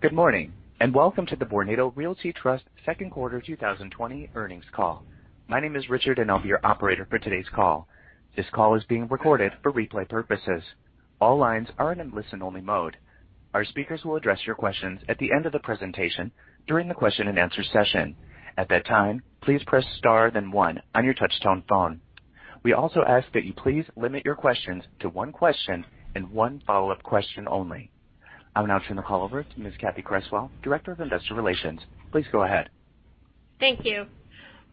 Good morning, and welcome to the Vornado Realty Trust second quarter 2020 earnings call. My name is Richard, and I'll be your operator for today's call. This call is being recorded for replay purposes. All lines are in a listen-only mode. Our speakers will address your questions at the end of the presentation during the question and answer session. At that time, please press star then one on your touchtone phone. We also ask that you please limit your questions to one question and one follow-up question only. I'll now turn the call over to Ms. Cathy Creswell, Director of Investor Relations. Please go ahead. Thank you.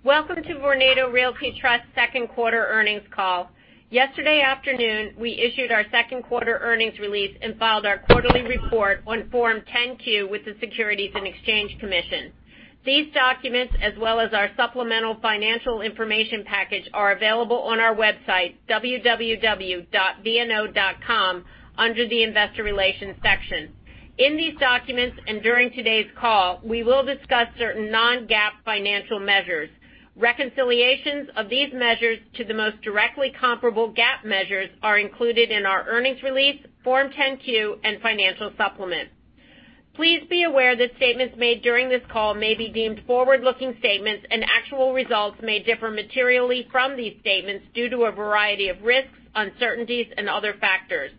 Welcome to Vornado Realty Trust second quarter earnings call. Yesterday afternoon, we issued our second quarter earnings release and filed our quarterly report on Form 10-Q with the Securities and Exchange Commission. These documents, as well as our supplemental financial information package, are available on our website, www.vno.com, under the investor relations section. In these documents and during today's call, we will discuss certain non-GAAP financial measures. Reconciliations of these measures to the most directly comparable GAAP measures are included in our earnings release, Form 10-Q, and financial supplement. Please be aware that statements made during this call may be deemed forward-looking statements, and actual results may differ materially from these statements due to a variety of risks, uncertainties, and other factors.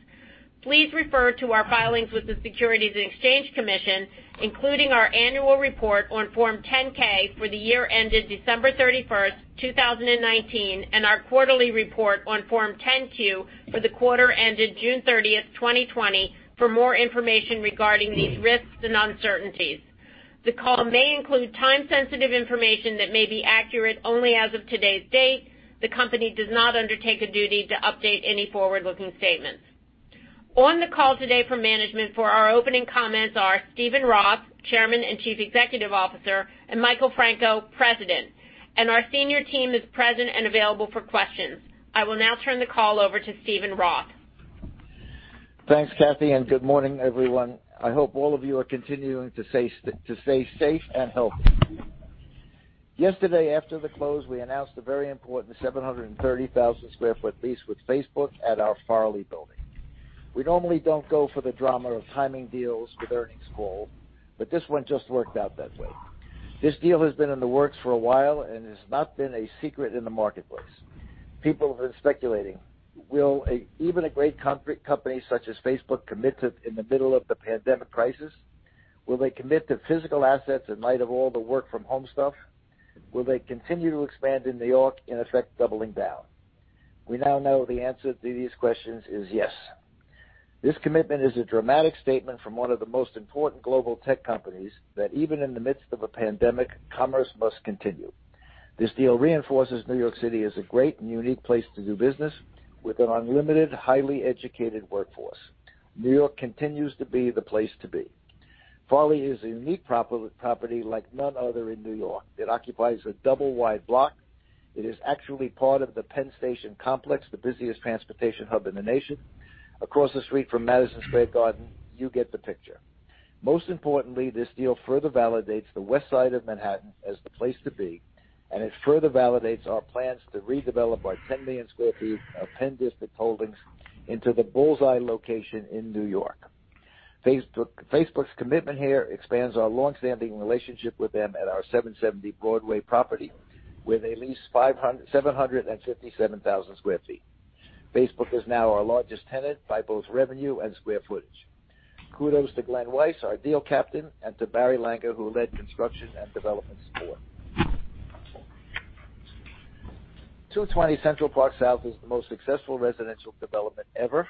Please refer to our filings with the Securities and Exchange Commission, including our annual report on Form 10-K for the year ended December 31, 2019, and our quarterly report on Form 10-Q for the quarter ended June 30, 2020, for more information regarding these risks and uncertainties. The call may include time-sensitive information that may be accurate only as of today's date. The company does not undertake a duty to update any forward-looking statements. On the call today from management for our opening comments are Steven Roth, Chairman and Chief Executive Officer, and Michael Franco, President. Our senior team is present and available for questions. I will now turn the call over to Steven Roth. Thanks, Cathy, and good morning, everyone. I hope all of you are continuing to stay safe and healthy. Yesterday, after the close, we announced a very important 730,000 sq ft lease with Facebook at our Farley Building. We normally don't go for the drama of timing deals with earnings call, but this one just worked out that way. This deal has been in the works for a while and has not been a secret in the marketplace. People have been speculating, will even a great company such as Facebook commit to in the middle of the pandemic crisis? Will they commit to physical assets in light of all the work from home stuff? Will they continue to expand in New York, in effect, doubling down? We now know the answer to these questions is yes. This commitment is a dramatic statement from one of the most important global tech companies that even in the midst of a pandemic, commerce must continue. This deal reinforces New York City as a great and unique place to do business with an unlimited, highly educated workforce. New York continues to be the place to be. Farley is a unique property like none other in New York. It occupies a double-wide block. It is actually part of the Penn Station complex, the busiest transportation hub in the nation, across the street from Madison Square Garden. You get the picture. Most importantly, this deal further validates the West Side of Manhattan as the place to be, and it further validates our plans to redevelop our 10 million sq ft of PENN DISTRICT holdings into the bull's eye location in New York. Facebook's commitment here expands our long-standing relationship with them at our 770 Broadway property, where they lease 757,000 sq ft. Facebook is now our largest tenant by both revenue and sq ft. Kudos to Glen Weiss, our deal captain, and to Barry Langer, who led construction and development support. 220 Central Park South is the most successful residential development ever.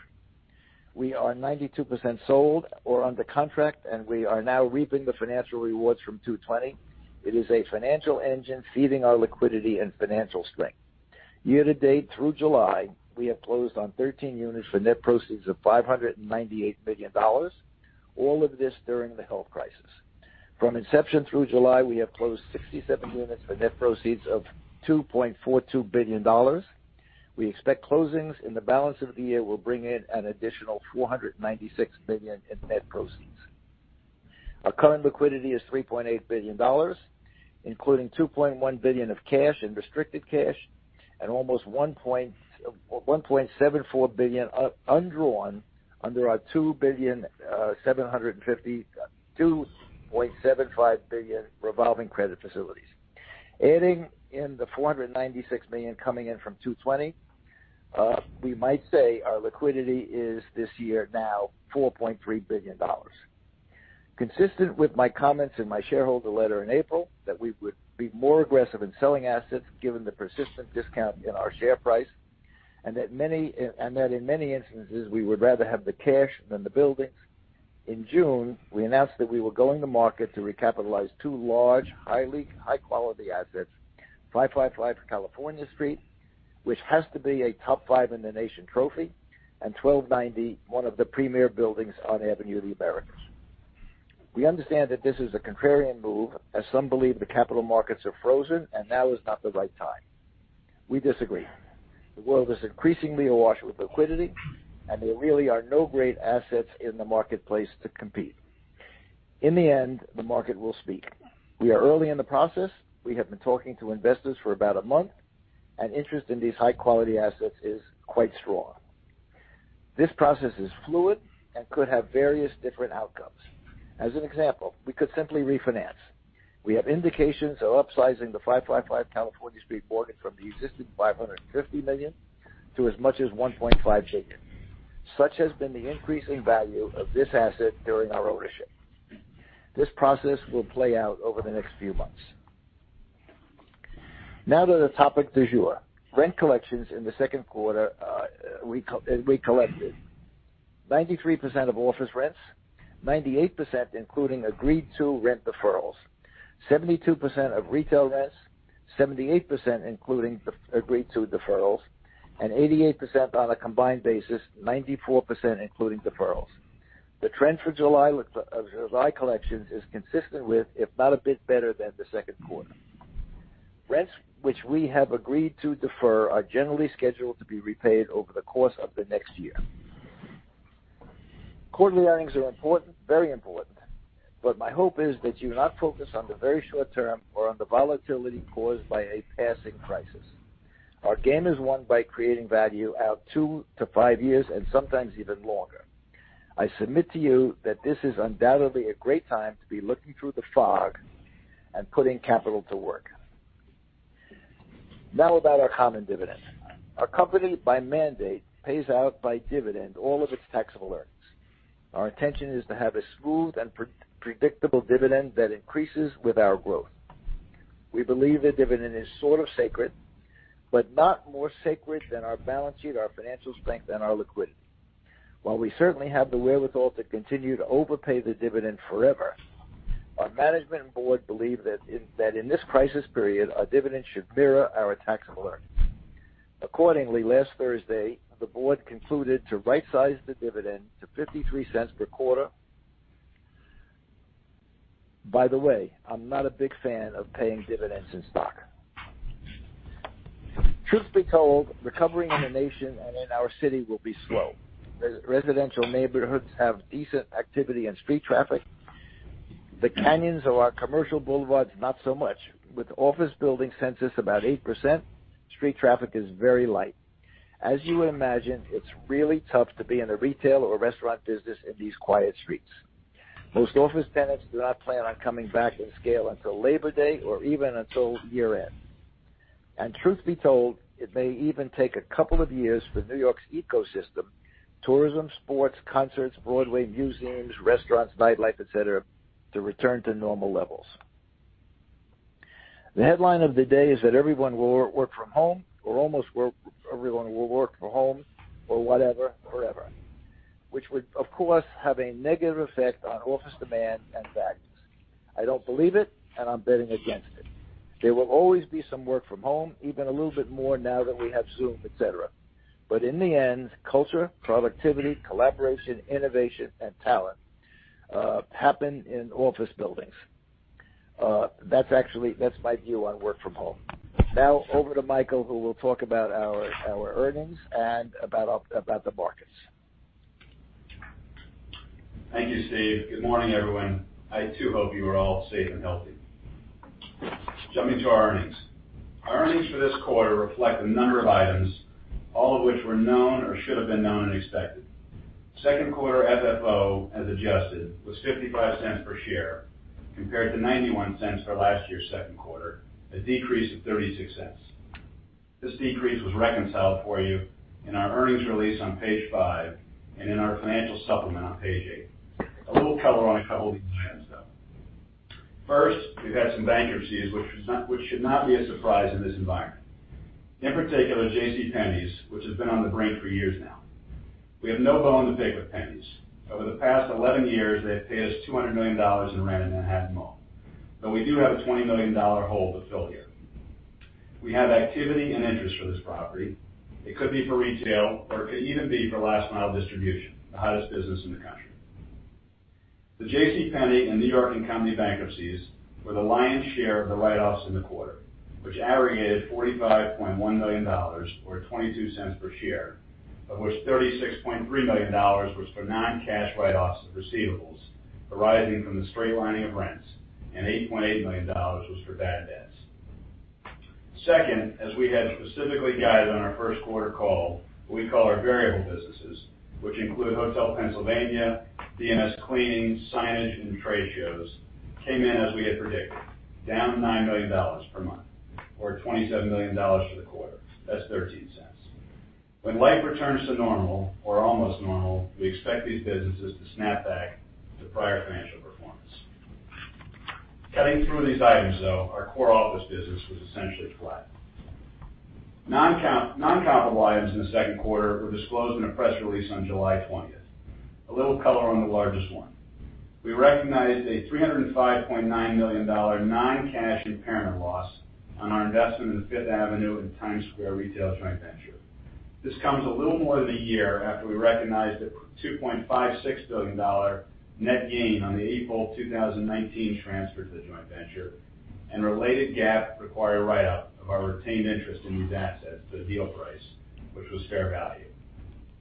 We are 92% sold or under contract, and we are now reaping the financial rewards from 220. It is a financial engine feeding our liquidity and financial strength. Year to date through July, we have closed on 13 units for net proceeds of $598 million. All of this during the health crisis. From inception through July, we have closed 67 units for net proceeds of $2.42 billion. We expect closings in the balance of the year will bring in an additional $496 million in net proceeds. Our current liquidity is $3.8 billion, including $2.1 billion of cash and restricted cash and almost $1.74 billion undrawn under our $2.75 billion revolving credit facilities. Adding in the $496 million coming in from 220, we might say our liquidity is this year now $4.3 billion. Consistent with my comments in my shareholder letter in April that we would be more aggressive in selling assets given the persistent discount in our share price, and that in many instances we would rather have the cash than the buildings, in June, we announced that we were going to market to recapitalize two large, high-quality assets, 555 California Street, which has to be a top five in the nation trophy, and 1290, one of the premier buildings on Avenue of the Americas. We understand that this is a contrarian move as some believe the capital markets are frozen and now is not the right time. We disagree. The world is increasingly awash with liquidity, and there really are no great assets in the marketplace to compete. In the end, the market will speak. We are early in the process. We have been talking to investors for about a month. Interest in these high-quality assets is quite strong. This process is fluid and could have various different outcomes. As an example, we could simply refinance. We have indications of upsizing the 555 California Street mortgage from the existing $550 million to as much as $1.5 billion. Such has been the increasing value of this asset during our ownership. This process will play out over the next few months. Now to the topic du jour. Rent collections in the second quarter, we collected 93% of office rents, 98% including agreed-to rent deferrals, 72% of retail rents, 78% including agreed-to deferrals, and 88% on a combined basis, 94% including deferrals. The trend for July collections is consistent with, if not a bit better than the second quarter. Rents which we have agreed to defer are generally scheduled to be repaid over the course of the next year. Quarterly earnings are important, very important. My hope is that you not focus on the very short term or on the volatility caused by a passing crisis. Our game is won by creating value out two to five years and sometimes even longer. I submit to you that this is undoubtedly a great time to be looking through the fog and putting capital to work. About our common dividend. Our company, by mandate, pays out by dividend all of its taxable earnings. Our intention is to have a smooth and predictable dividend that increases with our growth. We believe the dividend is sort of sacred, but not more sacred than our balance sheet, our financial strength, and our liquidity. While we certainly have the wherewithal to continue to overpay the dividend forever, our management and board believe that in this crisis period, our dividend should mirror our taxable earnings. Accordingly, last Thursday, the board concluded to right-size the dividend to $0.53 per quarter. By the way, I'm not a big fan of paying dividends in stock. Truth be told, recovering in the nation and in our city will be slow. Residential neighborhoods have decent activity and street traffic. The canyons of our commercial boulevards, not so much. With office building census about 8%, street traffic is very light. As you would imagine, it's really tough to be in the retail or restaurant business in these quiet streets. Most office tenants do not plan on coming back in scale until Labor Day or even until year-end. Truth be told, it may even take a couple of years for New York's ecosystem, tourism, sports, concerts, Broadway, museums, restaurants, nightlife, et cetera, to return to normal levels. The headline of the day is that everyone will work from home, or almost everyone will work from home or whatever forever. Which would, of course, have a negative effect on office demand and values. I don't believe it, and I'm betting against it. There will always be some work from home, even a little bit more now that we have Zoom, et cetera. In the end, culture, productivity, collaboration, innovation, and talent happen in office buildings. That's my view on work from home. Now over to Michael, who will talk about our earnings and about the markets. Thank you, Steve. Good morning, everyone. I too hope you are all safe and healthy. Jumping to our earnings. Our earnings for this quarter reflect a number of items, all of which were known or should have been known and expected. Second quarter FFO, as adjusted, was $0.55 per share, compared to $0.91 for last year's second quarter, a decrease of $0.36. This decrease was reconciled for you in our earnings release on page five and in our financial supplement on page eight. A little color on a couple of these items, though. First, we've had some bankruptcies, which should not be a surprise in this environment. In particular, JCPenney's, which has been on the brink for years now. We have no bone to pick with Penney's. Over the past 11 years, they have paid us $200 million in rent in the Manhattan Mall. We do have a $20 million hole to fill here. We have activity and interest for this property. It could be for retail, or it could even be for last-mile distribution, the hottest business in the country. The JCPenney and New York & Company bankruptcies were the lion's share of the write-offs in the quarter, which aggregated $45.1 million, or $0.22 per share, of which $36.3 million was for non-cash write-offs of receivables arising from the straight-lining of rents, and $8.8 million was for bad debts. Second, as we had specifically guided on our first quarter call, we call our variable businesses, which include Hotel Pennsylvania, BMS, signage, and trade shows, came in as we had predicted, down $9 million per month or $27 million for the quarter. That's $0.13. When life returns to normal or almost normal, we expect these businesses to snap back to prior financial performance. Cutting through these items though, our core office business was essentially flat. Non-comparable items in the second quarter were disclosed in a press release on July 20. A little color on the largest one. We recognized a $305.9 million non-cash impairment loss on our investment in Fifth Avenue and Times Square Retail Joint Venture. This comes a little more than a year after we recognized a $2.56 billion net gain on the April 2019 transfer to the joint venture and related GAAP-required write-up of our retained interest in these assets to the deal price, which was fair value.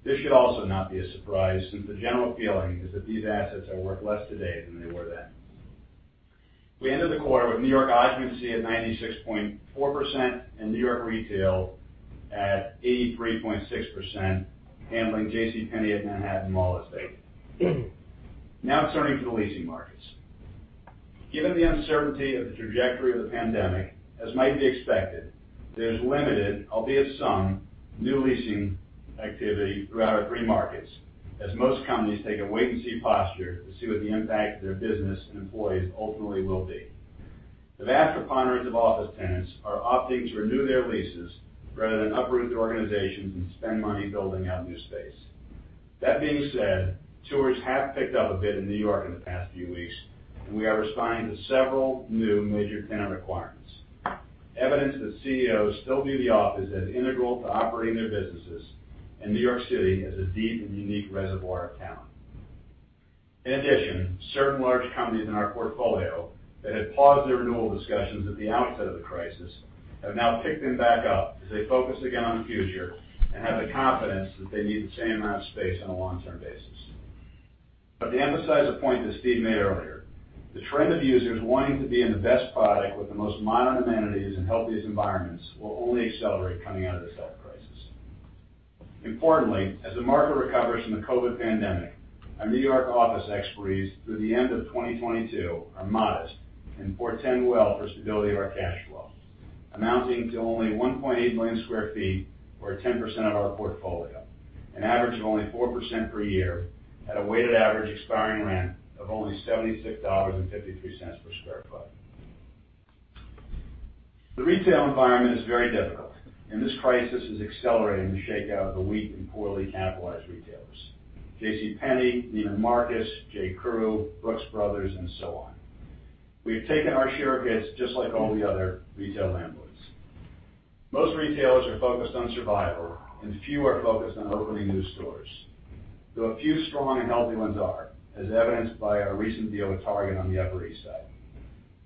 This should also not be a surprise since the general feeling is that these assets are worth less today than they were then. We ended the quarter with New York occupancy at 96.4% and New York retail at 83.6%, handling JCPenney at Manhattan Mall space. Turning to the leasing markets. Given the uncertainty of the trajectory of the pandemic, as might be expected, there's limited, albeit some, new leasing activity throughout our three markets, as most companies take a wait-and-see posture to see what the impact of their business and employees ultimately will be. The vast preponderance of office tenants are opting to renew their leases rather than uproot their organizations and spend money building out new space. That being said, tours have picked up a bit in New York in the past few weeks, and we are responding to several new major tenant requirements. Evidence that CEOs still view the office as integral to operating their businesses, and New York City as a deep and unique reservoir of talent. In addition, certain large companies in our portfolio that had paused their renewal discussions at the onset of the crisis, have now picked them back up as they focus again on the future and have the confidence that they need the same amount of space on a long-term basis. To emphasize a point that Steve made earlier, the trend of users wanting to be in the best product with the most modern amenities and healthiest environments will only accelerate coming out of this health crisis. Importantly, as the market recovers from the COVID pandemic, our New York office expiries through the end of 2022 are modest and portend well for stability of our cash flow, amounting to only 1.8 million sq ft or 10% of our portfolio, an average of only 4% per year at a weighted average expiring rent of only $76.53 per sq ft. The retail environment is very difficult. This crisis is accelerating the shakeout of the weak and poorly capitalized retailers, JCPenney, Neiman Marcus, J.Crew, Brooks Brothers, and so on. We've taken our share of hits just like all the other retail landlords. Most retailers are focused on survival. Few are focused on opening new stores. A few strong and healthy ones are, as evidenced by our recent deal with Target on the Upper East Side.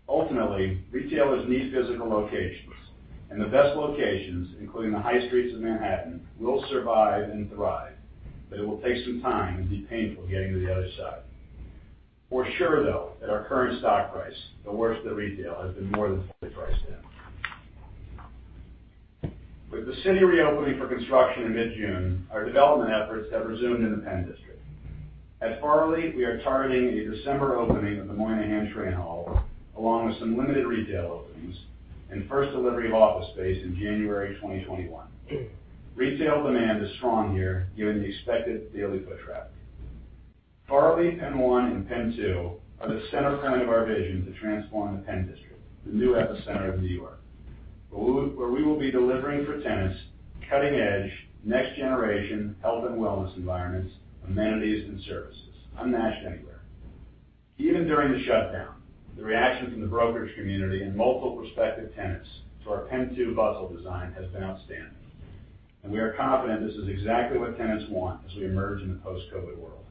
Ultimately, retailers need physical locations, and the best locations, including the high streets of Manhattan, will survive and thrive, but it will take some time and be painful getting to the other side. For sure, though, at our current stock price, the worst of retail has been more than fully priced in. With the city reopening for construction in mid-June, our development efforts have resumed in the Penn District. At Farley, we are targeting a December opening of the Moynihan Train Hall, along with some limited retail openings and first delivery of office space in January 2021. Retail demand is strong here, given the expected daily foot traffic. Farley, PENN 1, and PENN 2 are the center point of our vision to transform the Penn District, the new epicenter of New York, where we will be delivering for tenants, cutting edge, next generation health and wellness environments, amenities and services unmatched anywhere. Even during the shutdown, the reaction from the brokerage community and multiple prospective tenants to our PENN 2 bustle design has been outstanding, and we are confident this is exactly what tenants want as we emerge in the post-COVID world.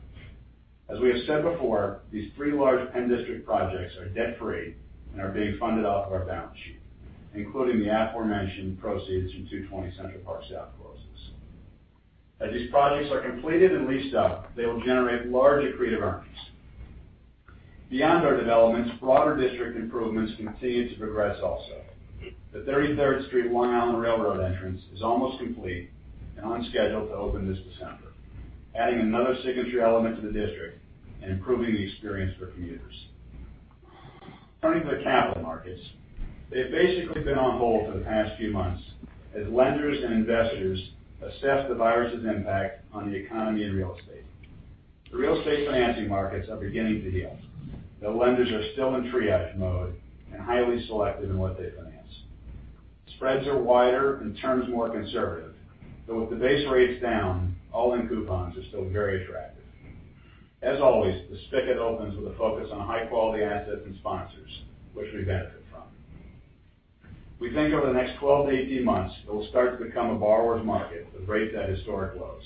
As we have said before, these three large PENN DISTRICT projects are debt-free and are being funded off of our balance sheet, including the aforementioned proceeds from 220 Central Park South closings. As these projects are completed and leased up, they will generate large accretive earnings. Beyond our developments, broader district improvements continue to progress also. The 33rd Street Long Island Rail Road entrance is almost complete and on schedule to open this December, adding another signature element to the district and improving the experience for commuters. Turning to the capital markets, they've basically been on hold for the past few months as lenders and investors assess the virus's impact on the economy and real estate. The real estate financing markets are beginning to heal, though lenders are still in triage mode and highly selective in what they finance. Spreads are wider and terms more conservative, though with the base rates down, all-in coupons are still very attractive. As always, the spigot opens with a focus on high-quality assets and sponsors, which we benefit from. We think over the next 12-18 months, it will start to become a borrower's market with rates at historic lows.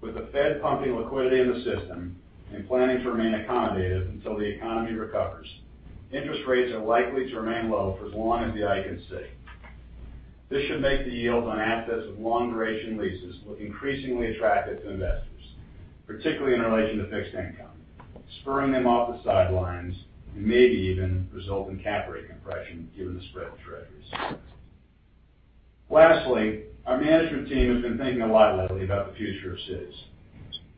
With the Fed pumping liquidity in the system and planning to remain accommodative until the economy recovers, interest rates are likely to remain low for as long as the eye can see. This should make the yield on assets with long-duration leases look increasingly attractive to investors, particularly in relation to fixed income, spurring them off the sidelines, and maybe even result in cap rate compression given the spread of Treasuries. Lastly, our management team has been thinking a lot lately about the future of cities.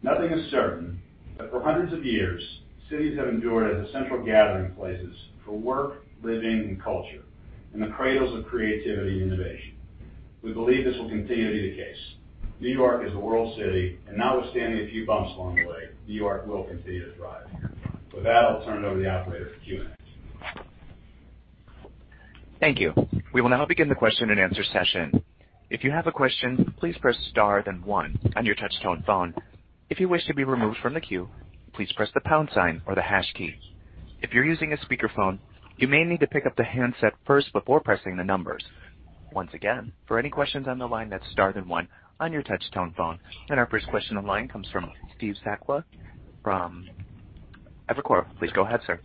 Nothing is certain, but for hundreds of years, cities have endured as the central gathering places for work, living, and culture, and the cradles of creativity and innovation. We believe this will continue to be the case. New York is a world city, and notwithstanding a few bumps along the way, New York will continue to thrive. With that, I'll turn it over to the operator for Q&A. Thank you. We will now begin the question and answer session. If you have a question, please press star then one on your touchtone phone. If you wish to be removed from the queue, please press the pound sign or the hash key. If you're using a speakerphone, you may need to pick up the handset first before pressing the numbers. Once again, for any questions on the line, that's star then one on your touchtone phone. Our first question on the line comes from Steve Sakwa from Evercore. Please go ahead, sir.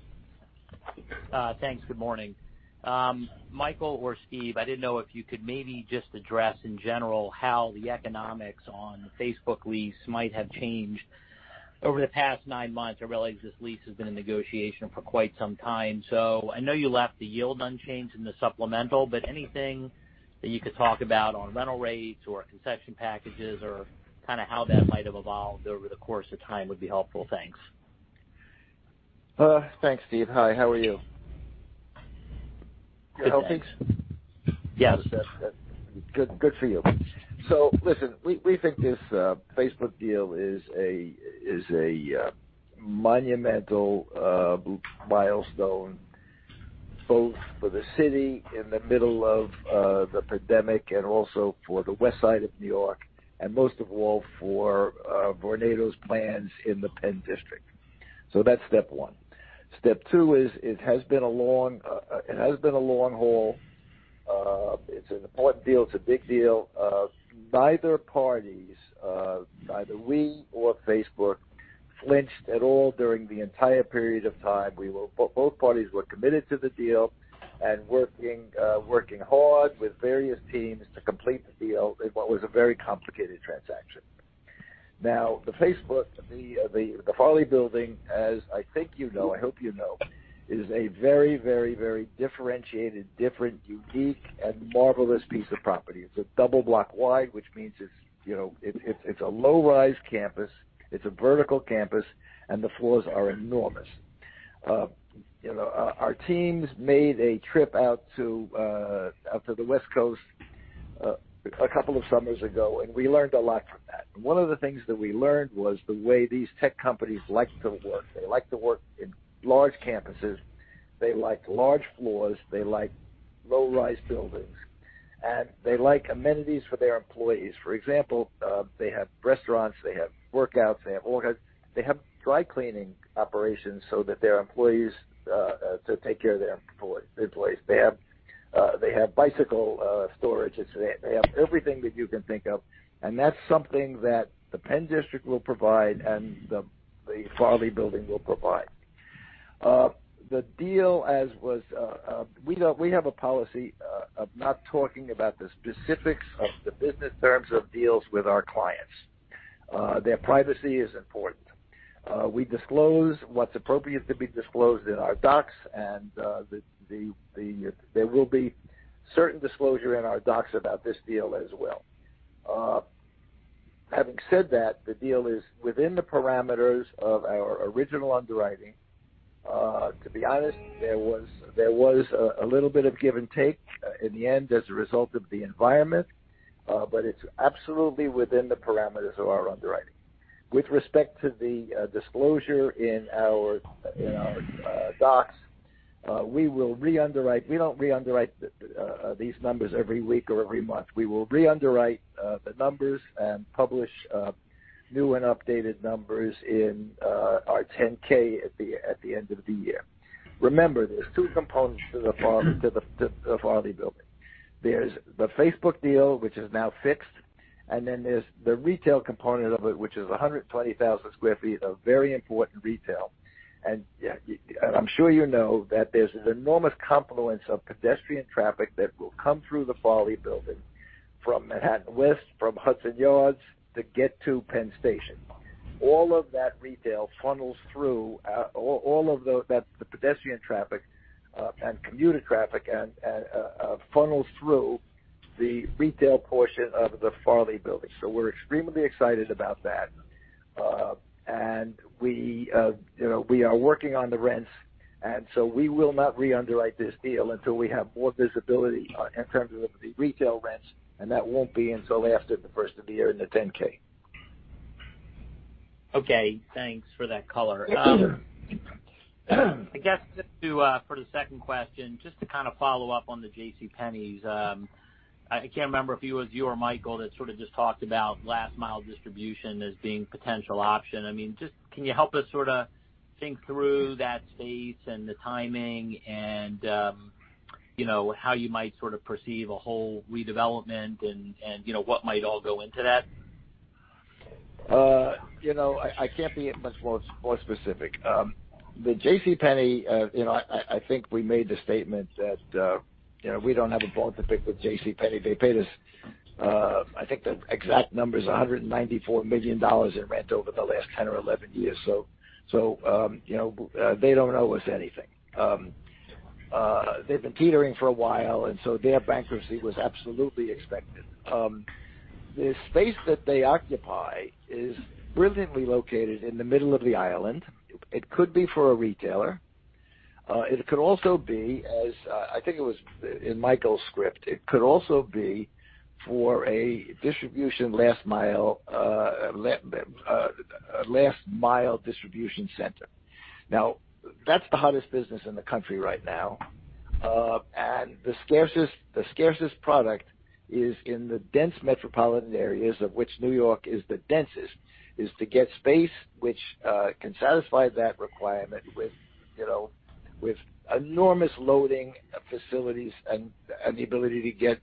Thanks. Good morning. Michael or Steve, I didn't know if you could maybe just address in general how the economics on the Facebook lease might have changed over the past nine months. I realize this lease has been in negotiation for quite some time. I know you left the yield unchanged in the supplemental, but anything that you could talk about on rental rates or concession packages or kind of how that might have evolved over the course of time would be helpful. Thanks. Thanks, Steve. Hi, how are you? Good, thanks. Good. Good for you. Listen, we think this Facebook deal is a monumental milestone, both for the city in the middle of the pandemic and also for the West Side of New York, and most of all, for Vornado's plans in the Penn District. That's step one. Step two is, it has been a long haul. It's an important deal. It's a big deal. Neither parties, neither we or Facebook, flinched at all during the entire period of time. Both parties were committed to the deal and working hard with various teams to complete the deal in what was a very complicated transaction. The Facebook, the Farley Building, as I think you know, I hope you know, is a very differentiated, different, unique, and marvelous piece of property. It's a double block wide, which means it's a low-rise campus, it's a vertical campus, and the floors are enormous. Our teams made a trip out to the West Coast a couple of summers ago. We learned a lot from that. One of the things that we learned was the way these tech companies like to work. They like to work in large campuses. They like large floors. They like low-rise buildings, and they like amenities for their employees. For example, they have restaurants, they have workouts, they have dry cleaning operations to take care of their employees. They have bicycle storage. They have everything that you can think of, and that's something that the PENN DISTRICT will provide and the Farley Building will provide. We have a policy of not talking about the specifics of the business terms of deals with our clients. Their privacy is important. We disclose what's appropriate to be disclosed in our docs, and there will be certain disclosure in our docs about this deal as well. Having said that, the deal is within the parameters of our original underwriting. To be honest, there was a little bit of give and take in the end as a result of the environment, but it's absolutely within the parameters of our underwriting. With respect to the disclosure in our docs, we will re-underwrite. We don't re-underwrite these numbers every week or every month. We will re-underwrite the numbers and publish new and updated numbers in our 10-K at the end of the year. Remember, there's two components to the Farley Building. There's the Facebook deal, which is now fixed, and then there's the retail component of it, which is 120,000 sq ft of very important retail. I'm sure you know that there's an enormous confluence of pedestrian traffic that will come through the Farley Building from Manhattan West, from Hudson Yards, to get to Penn Station. All of the pedestrian traffic and commuter traffic funnels through the retail portion of the Farley Building. We're extremely excited about that. We are working on the rents, we will not re-underwrite this deal until we have more visibility in terms of the retail rents, that won't be until after the first of the year in the 10-K. Okay. Thanks for that color. Yeah. I guess just to, for the second question, just to kind of follow up on the JCPenney. I can't remember if it was you or Michael that sort of just talked about last-mile distribution as being potential option. Can you help us sort of think through that space and the timing and how you might sort of perceive a whole redevelopment and what might all go into that? I can't be much more specific. The JCPenney, I think we made the statement that we don't have a bone to pick with JCPenney. They paid us, I think the exact number is $194 million in rent over the last 10 or 11 years, so they don't owe us anything. They've been teetering for a while, and so their bankruptcy was absolutely expected. The space that they occupy is brilliantly located in the middle of the island. It could be for a retailer. It could also be as I think it was in Michael's script. It could also be for a last-mile distribution center. Now, that's the hottest business in the country right now. The scarcest product is in the dense metropolitan areas, of which New York is the densest, is to get space which can satisfy that requirement with enormous loading facilities and the ability to get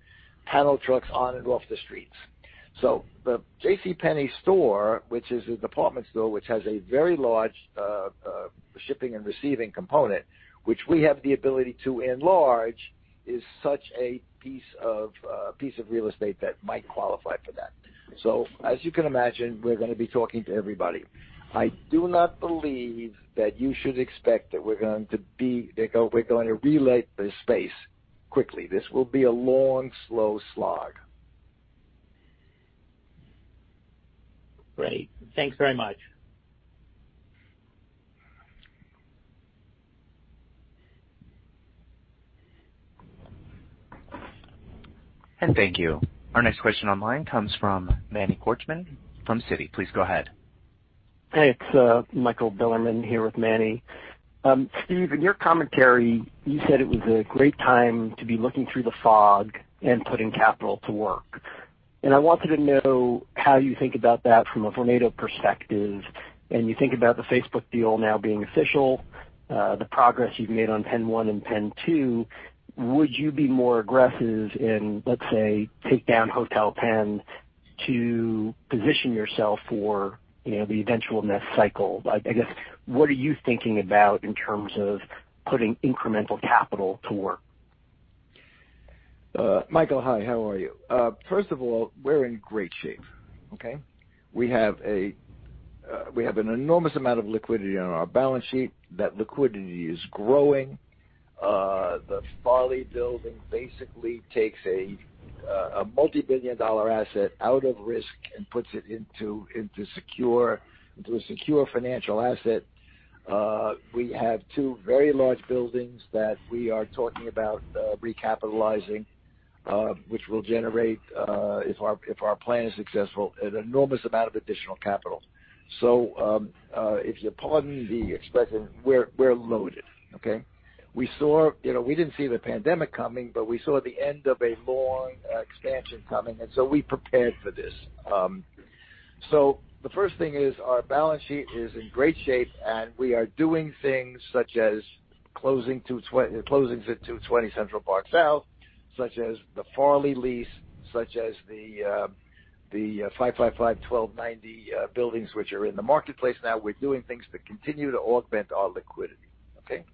panel trucks on and off the streets. The JCPenney store, which is a department store which has a very large shipping and receiving component, which we have the ability to enlarge, is such a piece of real estate that might qualify for that. As you can imagine, we're going to be talking to everybody. I do not believe that you should expect that we're going to relet the space quickly. This will be a long, slow slog. Great. Thanks very much. Thank you. Our next question online comes from Manny Korchman from Citi. Please go ahead. Hey, it's Michael Bilerman here with Manny. Steve, in your commentary, you said it was a great time to be looking through the fog and putting capital to work. I wanted to know how you think about that from a Vornado perspective, and you think about the Facebook deal now being official, the progress you've made on PENN 1 and PENN 2, would you be more aggressive in, let's say, take down Hotel Pennsylvania to position yourself for the eventual next cycle? I guess, what are you thinking about in terms of putting incremental capital to work? Michael, hi. How are you? First of all, we're in great shape. Okay? We have an enormous amount of liquidity on our balance sheet. That liquidity is growing. The Farley Building basically takes a multi-billion dollar asset out of risk and puts it into a secure financial asset. We have two very large buildings that we are talking about recapitalizing, which will generate, if our plan is successful, an enormous amount of additional capital. If you pardon the expression, we're loaded. Okay? We didn't see the pandemic coming, but we saw the end of a long expansion coming, and so we prepared for this. The first thing is our balance sheet is in great shape, and we are doing things such as closings at 220 Central Park South, such as the Farley lease, such as the 555 1290 buildings, which are in the marketplace now. We're doing things that continue to augment our liquidity. Okay.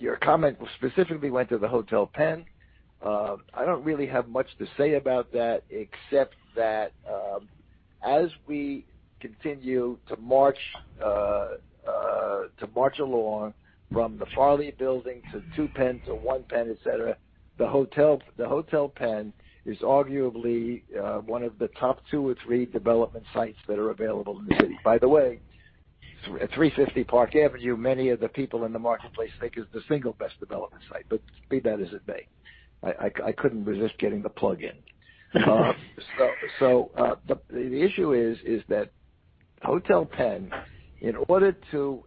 Your comment specifically went to the Hotel Pennsylvania. I don't really have much to say about that except that, as we continue to march along from the Farley Building to PENN 2 to PENN 1, et cetera, the Hotel Pennsylvania is arguably one of the top two or three development sites that are available in the city. By the way, at 350 Park Avenue, many of the people in the marketplace think it's the single best development site. Be that as it may, I couldn't resist getting the plug in. The issue is that Hotel Pennsylvania, in order to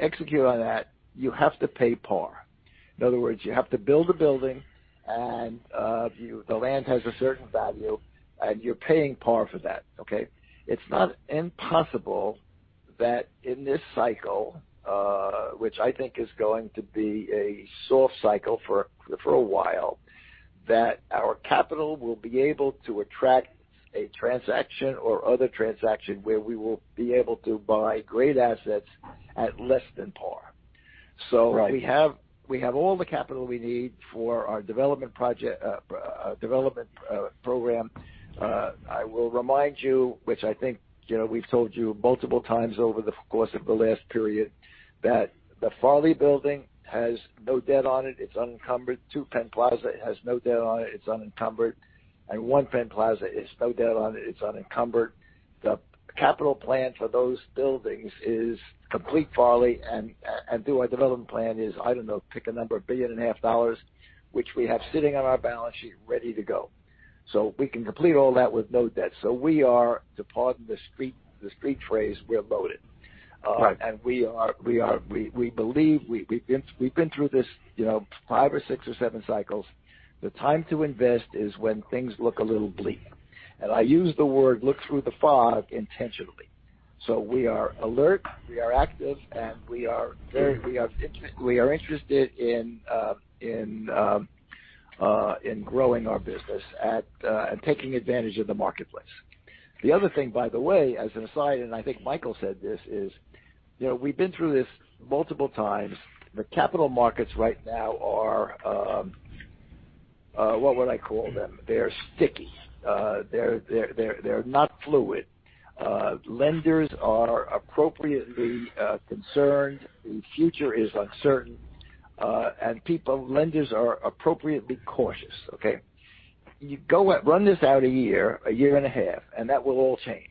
execute on that, you have to pay par. In other words, you have to build a building, and the land has a certain value, and you're paying par for that. Okay. It's not impossible that in this cycle, which I think is going to be a soft cycle for a while, that our capital will be able to attract a transaction or other transaction where we will be able to buy great assets at less than par. Right. We have all the capital we need for our development program. I will remind you, which I think we've told you multiple times over the course of the last period, that the Farley Building has no debt on it. It's unencumbered. PENN 2 Plaza has no debt on it. It's unencumbered. PENN 1 Plaza has no debt on it. It's unencumbered. The capital plan for those buildings is complete Farley, and PENN 2 development plan is, I don't know, pick a number, $1.5 billion, which we have sitting on our balance sheet ready to go. We can complete all that with no debt. We are, to pardon the street phrase, we're loaded. Right. We believe we've been through this five or six or seven cycles. The time to invest is when things look a little bleak. I use the word look through the fog intentionally. We are alert, we are active, and we are interested in growing our business and taking advantage of the marketplace. The other thing, by the way, as an aside, I think Michael said this, is we've been through this multiple times. The capital markets right now are what would I call them? They are sticky. They're not fluid. Lenders are appropriately concerned. The future is uncertain. Lenders are appropriately cautious. Okay. You go and run this out a year, a year and a half, that will all change.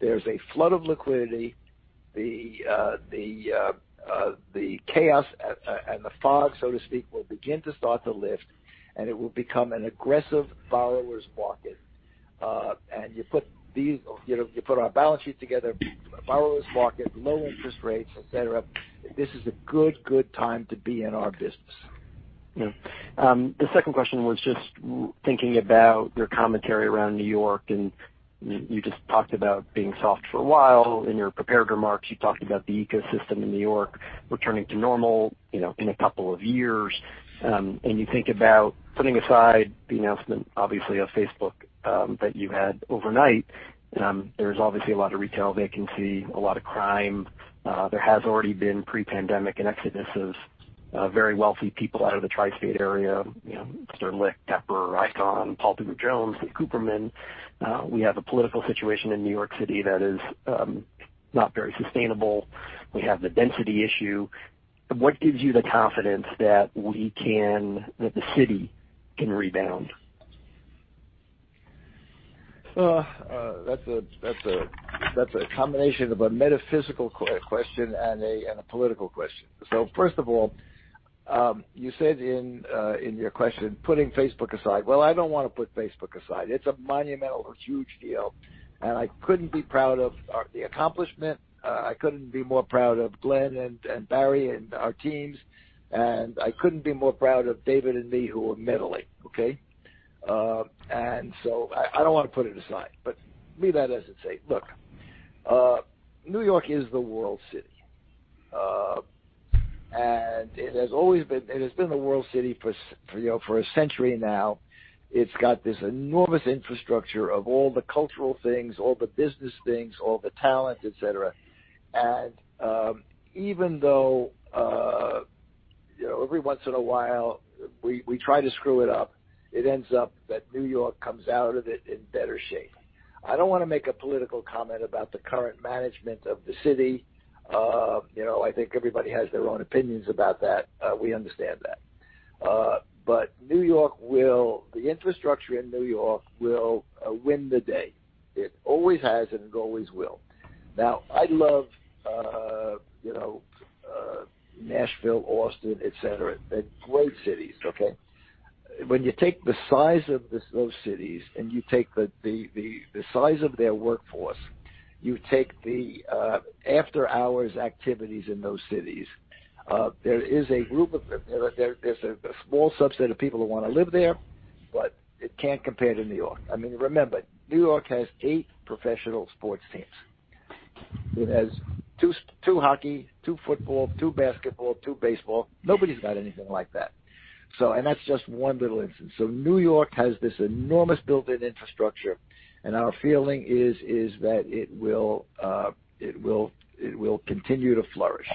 There's a flood of liquidity. The chaos and the fog, so to speak, will begin to start to lift, and it will become an aggressive borrower's market. You put our balance sheet together, a borrower's market, low interest rates, et cetera. This is a good time to be in our business. Yeah. The second question was just thinking about your commentary around New York. You just talked about being soft for a while. In your prepared remarks, you talked about the ecosystem in New York returning to normal in a couple of years. You think about putting aside the announcement, obviously, of Facebook that you had overnight. There's obviously a lot of retail vacancy, a lot of crime. There has already been pre-pandemic an exodus of very wealthy people out of the tri-state area. Mr. LeFrak, Tepper, Icahn, Paul Tudor Jones, Cooperman. We have a political situation in New York City that is not very sustainable. We have the density issue. What gives you the confidence that the city can rebound? First of all, you said in your question, putting Facebook aside. I don't want to put Facebook aside. It's a monumental, huge deal, and I couldn't be prouder of the accomplishment. I couldn't be more proud of Glen and Barry and our teams, and I couldn't be more proud of David and me who are meddling. I don't want to put it aside, but leave that as it's safe. New York is the world city. It has been the world city for a century now. It's got this enormous infrastructure of all the cultural things, all the business things, all the talent, et cetera. Even though every once in a while we try to screw it up, it ends up that New York comes out of it in better shape. I don't want to make a political comment about the current management of the city. I think everybody has their own opinions about that. We understand that. The infrastructure in New York will win the day. It always has and it always will. I love Nashville, Austin, et cetera. They're great cities, okay? When you take the size of those cities and you take the size of their workforce, you take the after-hours activities in those cities, there's a small subset of people who want to live there, but it can't compare to New York. Remember, New York has eight professional sports teams. It has two hockey, two football, two basketball, two baseball. Nobody's got anything like that. That's just one little instance. New York has this enormous built-in infrastructure, and our feeling is that it will continue to flourish.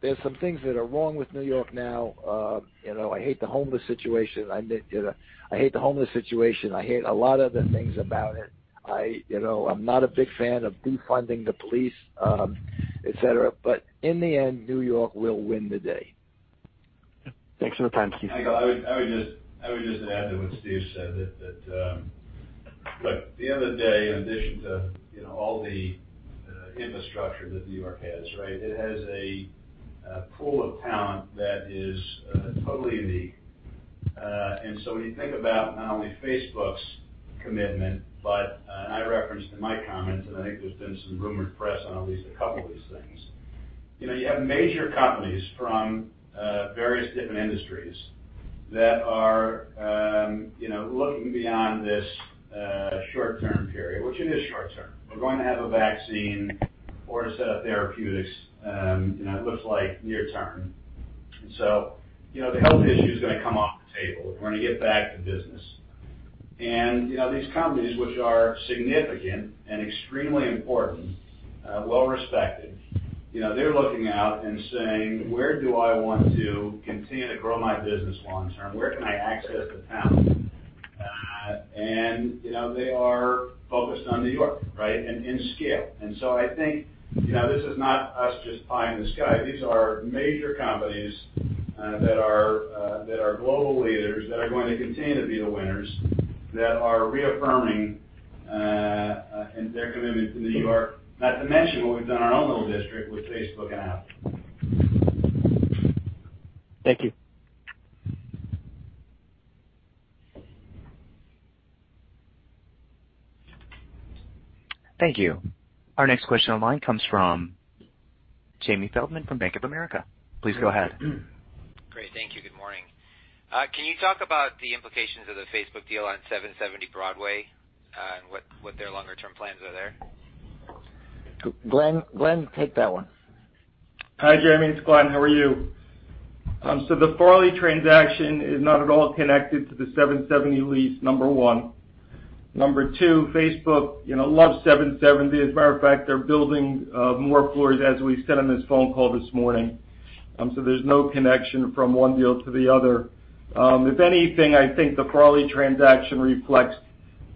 There's some things that are wrong with New York now. I hate the homeless situation. I hate a lot of the things about it. I'm not a big fan of defunding the police, et cetera. In the end, New York will win the day. Thanks for the time, Steve. I would just add to what Steve said, that look, at the end of the day, in addition to all the infrastructure that New York has, it has a pool of talent that is totally unique. When you think about not only Facebook's commitment, but I referenced in my comments, and I think there's been some rumored press on at least a couple of these things. You have major companies from various different industries that are looking beyond this short-term period, which it is short-term. We're going to have a vaccine or a set of therapeutics it looks like near term. The health issue is going to come off the table. We're going to get back to business. These companies, which are significant and extremely important, well respected, they're looking out and saying, "Where do I want to continue to grow my business long term? Where can I access the talent?" They are focused on New York and in scale. I think this is not us just pie in the sky. These are major companies that are global leaders that are going to continue to be the winners, that are reaffirming their commitment to New York. Not to mention what we've done in our own little district with Facebook and Apple. Thank you. Thank you. Our next question online comes from Jamie Feldman from Bank of America. Please go ahead. Great. Thank you. Good morning. Can you talk about the implications of the Facebook deal on 770 Broadway, and what their longer term plans are there? Glen, take that one. Hi, Jamie, it's Glen. How are you? The Farley transaction is not at all connected to the 770 lease, number one. Number two, Facebook loves 770. As a matter of fact, they're building more floors as we sit on this phone call this morning. There's no connection from one deal to the other. If anything, I think the Farley transaction reflects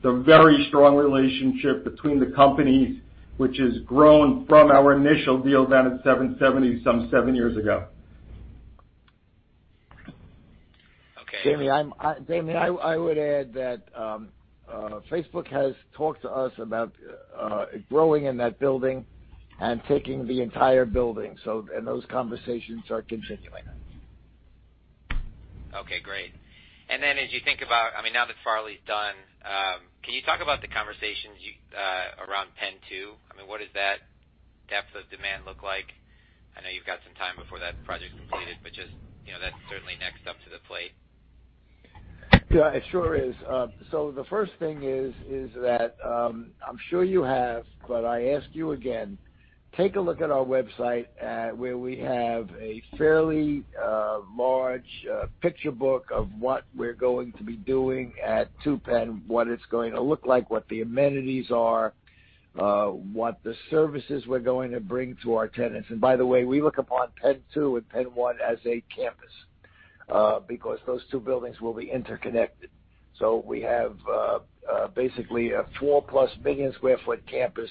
the very strong relationship between the companies, which has grown from our initial deal then at 770 some seven years ago. Okay. Jamie, I would add that Facebook has talked to us about growing in that building and taking the entire building, and those conversations are continuing. Okay, great. As you think about, now that Farley's done, can you talk about the conversations around PENN 2? What does that depth of demand look like? I know you've got some time before that project's completed, but just, that's certainly next up to the plate. Yeah, it sure is. The first thing is that, I'm sure you have, but I ask you again, take a look at our website, where we have a fairly large picture book of what we're going to be doing at PENN 2, what it's going to look like, what the amenities are, what the services we're going to bring to our tenants. By the way, we look upon PENN 2 and PENN 1 as a campus, because those two buildings will be interconnected. We have basically a 4+ million sq ft campus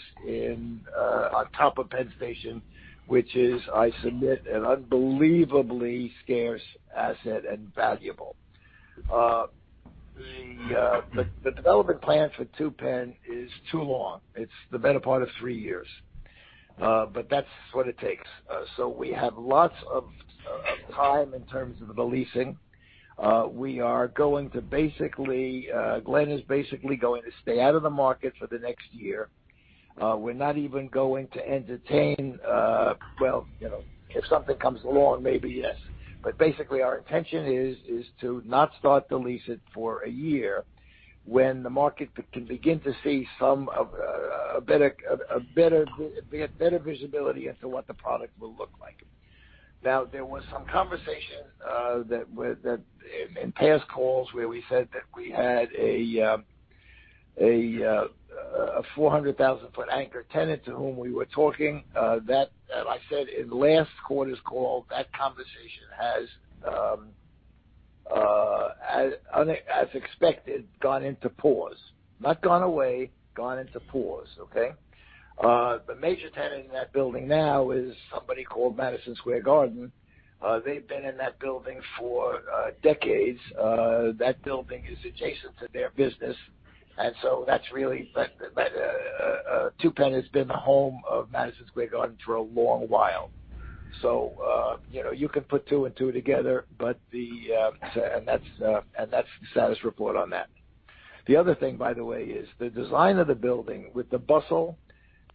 on top of Penn Station, which is, I submit, an unbelievably scarce asset and valuable. The development plan for PENN 2 is too long. It's the better part of three years. That's what it takes. We have lots of time in terms of the leasing. Glen is basically going to stay out of the market for the next year. We're not even going to entertain. Well, if something comes along, maybe yes. Basically, our intention is to not start to lease it for a year, when the market can begin to see some better visibility as to what the product will look like. Now, there was some conversation in past calls where we said that we had a 400,000 sq ft anchor tenant to whom we were talking, that I said in last quarter's call, that conversation has, as expected, gone into pause. Not gone away, gone into pause. Okay. The major tenant in that building now is somebody called Madison Square Garden. They've been in that building for decades. That building is adjacent to their business. PENN 2 has been the home of Madison Square Garden for a long while. You can put two and two together, and that's the status report on that. The other thing, by the way, is the design of the building with the bustle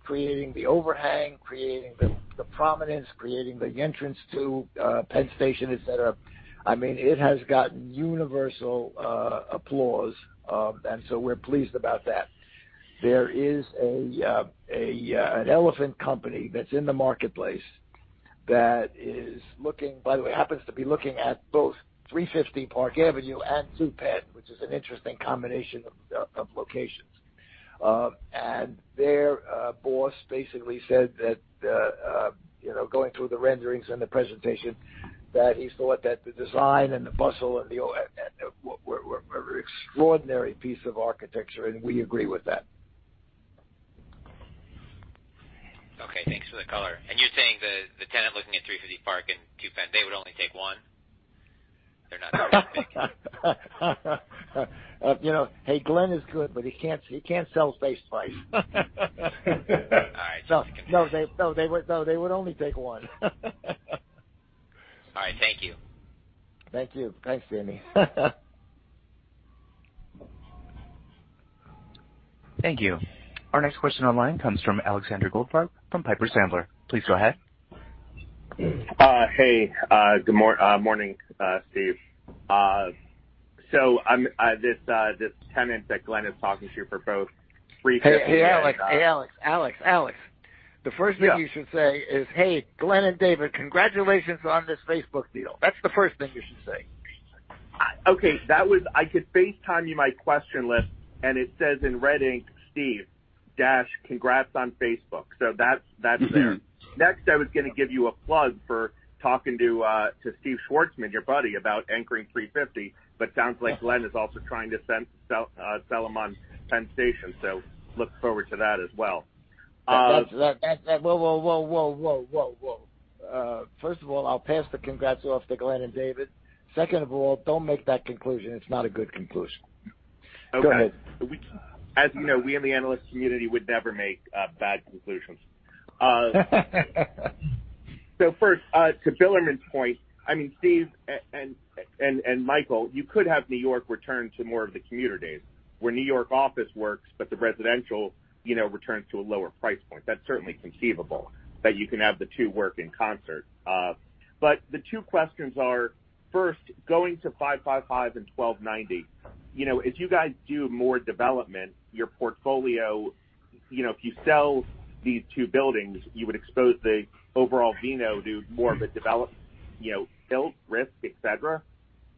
creating the overhang, creating the prominence, creating the entrance to Penn Station, et cetera. It has gotten universal applause, we're pleased about that. There is an elephant company that's in the marketplace that is looking, by the way, happens to be looking at both 350 Park Avenue and PENN 2, which is an interesting combination of locations. Their boss basically said that, going through the renderings and the presentation, that he thought that the design and the bustle were extraordinary piece of architecture, and we agree with that. Okay. Thanks for the color. You're saying the tenant looking at 350 Park and PENN 2, they would only take one? They're not Hey, Glen is good, but he can't sell space twice. All right. No, they would only take one. All right. Thank you. Thank you. Thanks, Jamie. Thank you. Our next question online comes from Alexander Goldfarb from Piper Sandler. Please go ahead. Hey, good morning, Steve. This tenant that Glen is talking to for both three. Hey, Alex. The first thing you should say is, "Hey, Glen and David, congratulations on this Facebook deal." That's the first thing you should say. Okay. I could FaceTime you my question list, and it says in red ink, "Steve - congrats on Facebook." That's there. Next, I was going to give you a plug for talking to Steve Schwarzman, your buddy, about anchoring 350, but sounds like Glen is also trying to sell him on Penn Station. Look forward to that as well. Whoa. First of all, I'll pass the congrats off to Glen and David. Second of all, don't make that conclusion. It's not a good conclusion. Go ahead. As you know, we in the analyst community would never make bad conclusions. First, to Bilerman's point, Steven and Michael, you could have New York return to more of the commuter days where New York office works, but the residential returns to a lower price point. That's certainly conceivable that you can have the two work in concert. The two questions are, first, going to 555 and 1290, as you guys do more development, your portfolio, if you sell these two buildings, you would expose the overall VNO to more of a develop, build, risk, et cetera,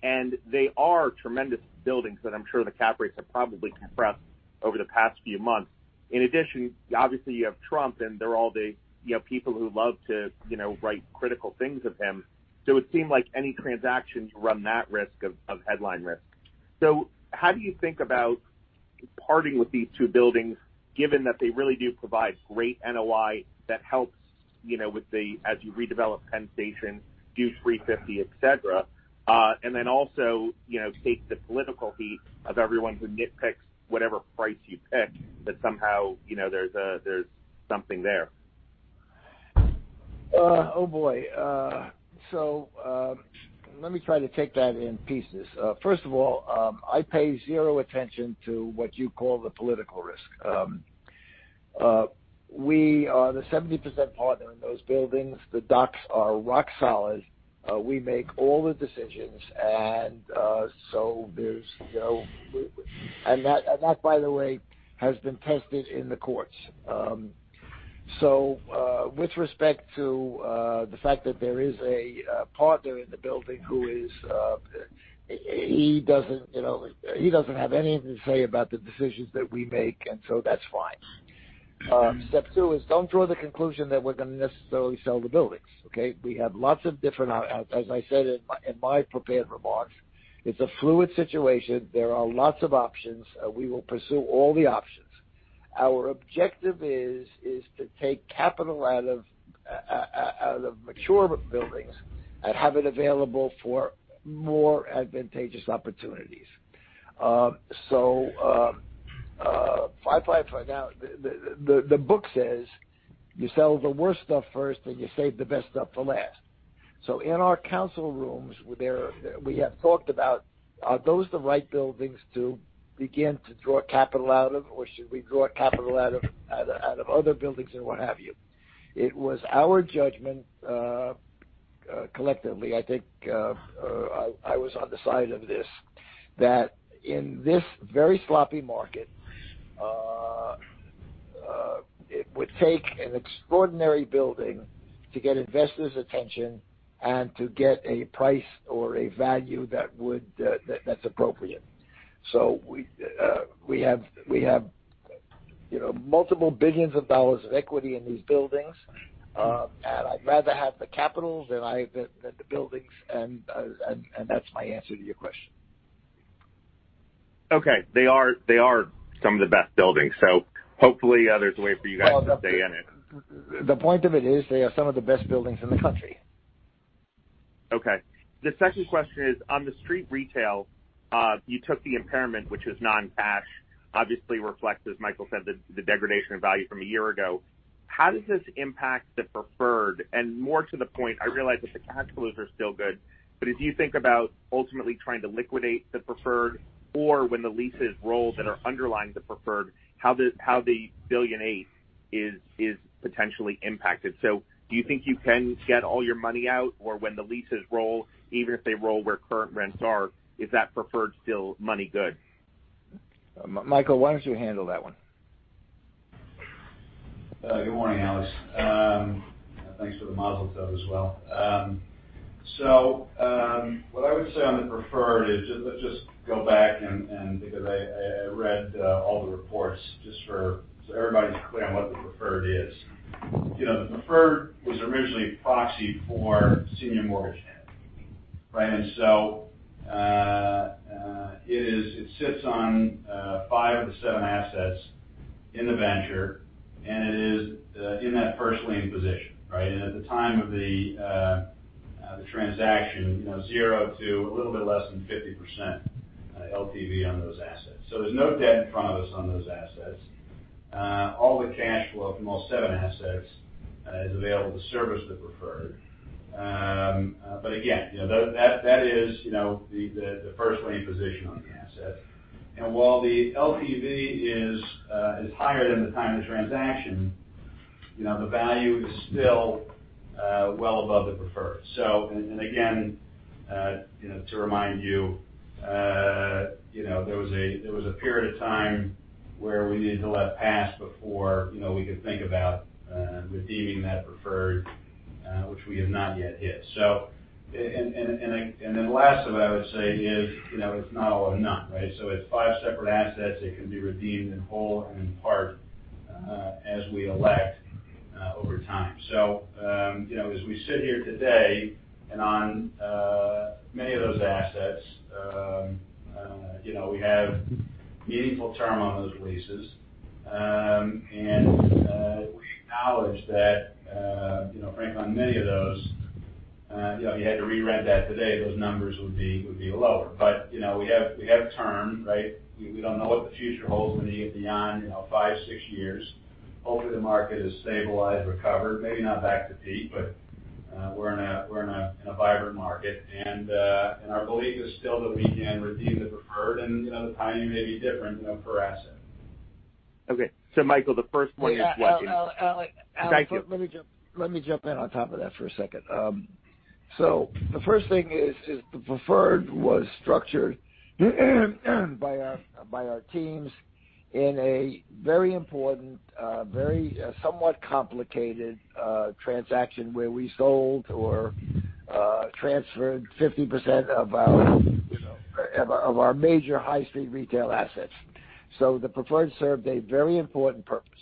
and they are tremendous buildings that I'm sure the cap rates have probably compressed over the past few months. In addition, obviously, you have Trump, and there are all the people who love to write critical things of him. It would seem like any transactions run that risk of headline risk. How do you think about parting with these two buildings, given that they really do provide great NOI that helps as you redevelop Penn Station, do 350, et cetera, and then also take the political heat of everyone who nitpicks whatever price you pick, that somehow there's something there? Oh, boy. Let me try to take that in pieces. First of all, I pay zero attention to what you call the political risk. We are the 70% partner in those buildings. The docs are rock solid. We make all the decisions. That, by the way, has been tested in the courts. With respect to the fact that there is a partner in the building, he doesn't have anything to say about the decisions that we make, that's fine. Step two is, don't draw the conclusion that we're going to necessarily sell the buildings, okay? We have lots of different As I said in my prepared remarks, it's a fluid situation. There are lots of options. We will pursue all the options. Our objective is to take capital out of mature buildings and have it available for more advantageous opportunities. The book says you sell the worst stuff first, and you save the best stuff for last. In our council rooms, we have talked about, are those the right buildings to begin to draw capital out of, or should we draw capital out of other buildings and what have you? It was our judgment, collectively, I think, I was on the side of this, that in this very sloppy market, it would take an extraordinary building to get investors' attention and to get a price or a value that's appropriate. We have multiple billions of dollars of equity in these buildings, and I'd rather have the capital than the buildings, and that's my answer to your question. They are some of the best buildings, so hopefully there's a way for you guys to stay in it. The point of it is, they are some of the best buildings in the country. Okay. The second question is, on the street retail, you took the impairment, which is non-cash, obviously reflects, as Michael said, the degradation of value from a year ago. How does this impact the preferred? More to the point, I realize that the cash flows are still good, but as you think about ultimately trying to liquidate the preferred, or when the leases roll that are underlying the preferred, how the $1.8 billion is potentially impacted. Do you think you can get all your money out, or when the leases roll, even if they roll where current rents are, is that preferred still money good? Michael, why don't you handle that one? Good morning, Alex. Thanks for the mazel tov as well. What I would say on the preferred is just go back and, because I read all the reports, just so everybody's clear on what the preferred is. The preferred was originally proxy for senior mortgage debt. Right? It sits on five of the seven assets in the venture, and it is in that first lien position. Right? At the time of the transaction, 0 to a little bit less than 50% LTV on those assets. There's no debt in front of us on those assets. All the cash flow from all 7 assets is available to service the preferred. Again, that is the first lien position on the asset. While the LTV is higher than the time of transaction, the value is still well above the preferred. Again, to remind you, there was a period of time where we needed to let pass before we could think about redeeming that preferred, which we have not yet hit. The last of what I would say is it's not all or none, right? It's five separate assets that can be redeemed in whole and in part, as we elect over time. As we sit here today and on many of those assets, we have meaningful term on those leases. We acknowledge that, frankly, on many of those, if you had to re-rent that today, those numbers would be lower. We have term, right? We don't know what the future holds beyond five, six years. Hopefully, the market is stabilized, recovered, maybe not back to peak, but we're in a vibrant market. Our belief is still that we can redeem the preferred, and the timing may be different per asset. Okay. Michael, the first point is. Yeah. Thank you. Let me jump in on top of that for a second. The first thing is the preferred was structured by our teams in a very important, somewhat complicated transaction where we sold or transferred 50% of our major high street retail assets. The preferred served a very important purpose.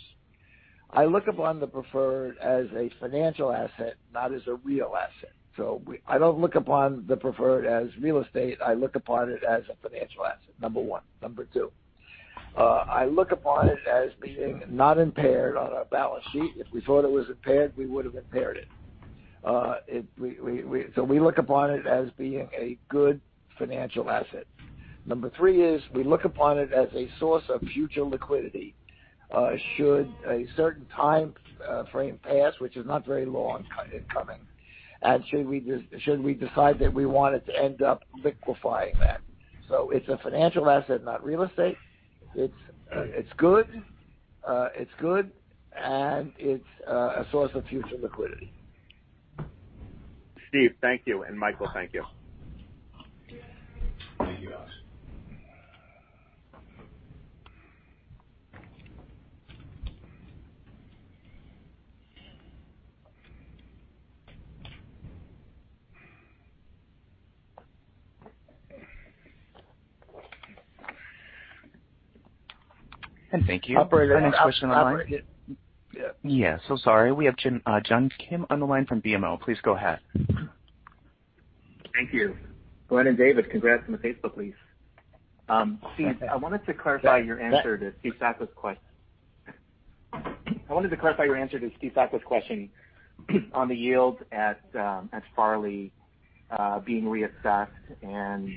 I look upon the preferred as a financial asset, not as a real asset. I don't look upon the preferred as real estate. I look upon it as a financial asset, number one. Number two, I look upon it as being not impaired on our balance sheet. If we thought it was impaired, we would have impaired it. We look upon it as being a good financial asset. Number three is we look upon it as a source of future liquidity. Should a certain time frame pass, which is not very long coming, and should we decide that we wanted to end up liquefying that. It's a financial asset, not real estate. It's good, and it's a source of future liquidity. Steve, thank you, and Michael, thank you. Thank you, Alex. Thank you. Our next question on the line. Operator. Yeah. Sorry. We have John Kim on the line from BMO Capital Markets. Please go ahead. Thank you. Glen and David, congrats on the Facebook lease. Steve, I wanted to clarify your answer to Steve Sakwa's question on the yields at Farley being reassessed and,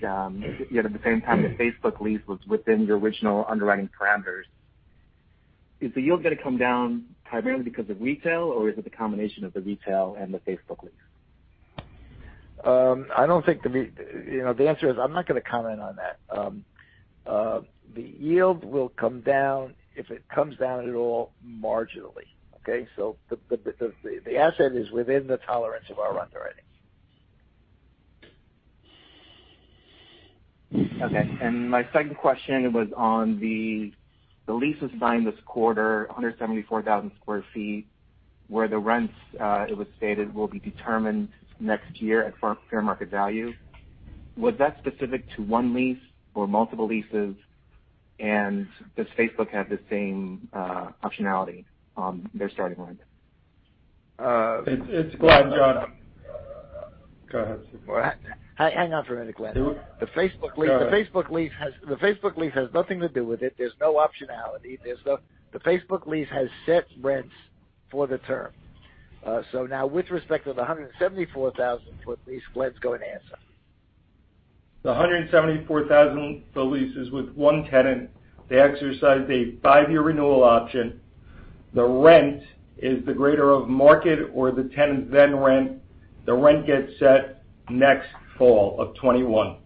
yet at the same time, the Facebook lease was within your original underwriting parameters. Is the yield going to come down primarily because of retail, or is it the combination of the retail and the Facebook lease? The answer is, I'm not going to comment on that. The yield will come down, if it comes down at all, marginally. Okay? The asset is within the tolerance of our underwriting. Okay. My second question was on the leases signed this quarter, 174,000 sq ft, where the rents, it was stated, will be determined next year at fair market value. Was that specific to one lease or multiple leases, and does Facebook have the same optionality on their starting rent? It's Glen, John. Go ahead. Hang on for a minute, Glen. Go ahead. The Facebook lease has nothing to do with it. There's no optionality. The Facebook lease has set rents for the term. Now with respect to the 174,000 sq ft lease, Glen's going to answer. The 174,000, the lease is with one tenant. They exercised a five-year renewal option. The rent is the greater of market or the tenant's then rent. The rent gets set next fall of 2021.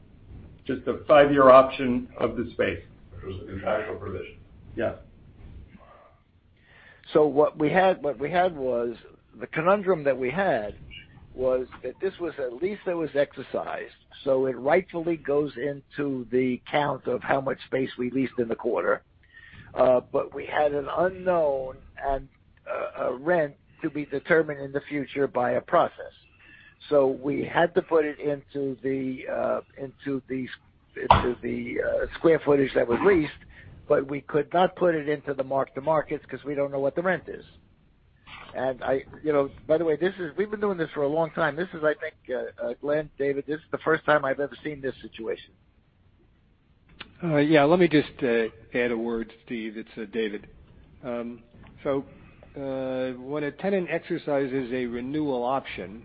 Just a five-year option of the space. Which was a contractual provision. Yes. What we had was, the conundrum that we had was that this was a lease that was exercised. It rightfully goes into the count of how much space we leased in the quarter. We had an unknown and a rent to be determined in the future by a process. We had to put it into the square footage that was leased, but we could not put it into the markets because we don't know what the rent is. By the way, we've been doing this for a long time. This is, I think, Glen, David, this is the first time I've ever seen this situation. Yeah, let me just add a word, Steve. It's David. When a tenant exercises a renewal option,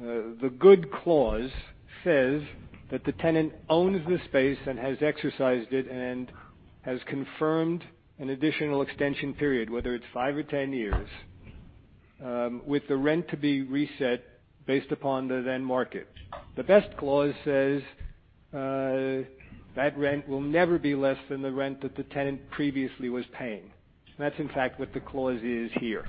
the good clause says that the tenant owns the space and has exercised it and has confirmed an additional extension period, whether it's five or 10 years, with the rent to be reset based upon the then market. The best clause says that rent will never be less than the rent that the tenant previously was paying. That's in fact what the clause is here.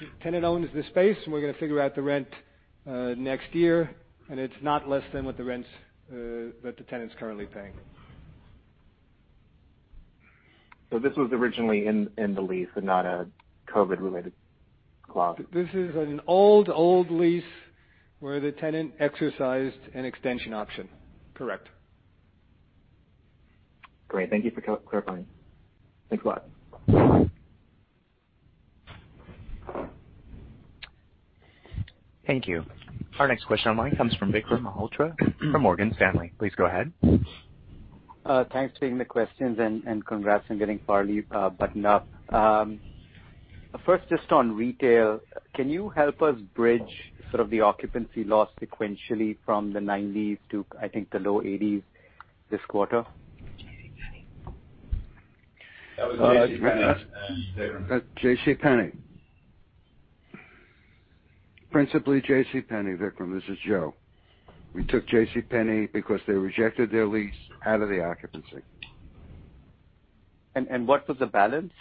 The tenant owns the space, and we're going to figure out the rent next year, and it's not less than what the rent that the tenant's currently paying. This was originally in the lease and not a COVID-related clause. This is an old lease where the tenant exercised an extension option. Correct. Great. Thank you for clarifying. Thanks a lot. Thank you. Our next question on the line comes from Vikram Malhotra from Morgan Stanley. Please go ahead. Thanks for taking the questions. Congrats on getting Farley buttoned up. First, just on retail, can you help us bridge sort of the occupancy loss sequentially from the 90% to, I think, the low 80% this quarter? That was JCPenney and Vikram. JCPenney. Principally JCPenney, Vikram. This is Joe. We took JCPenney because they rejected their lease out of the occupancy. What was the balance?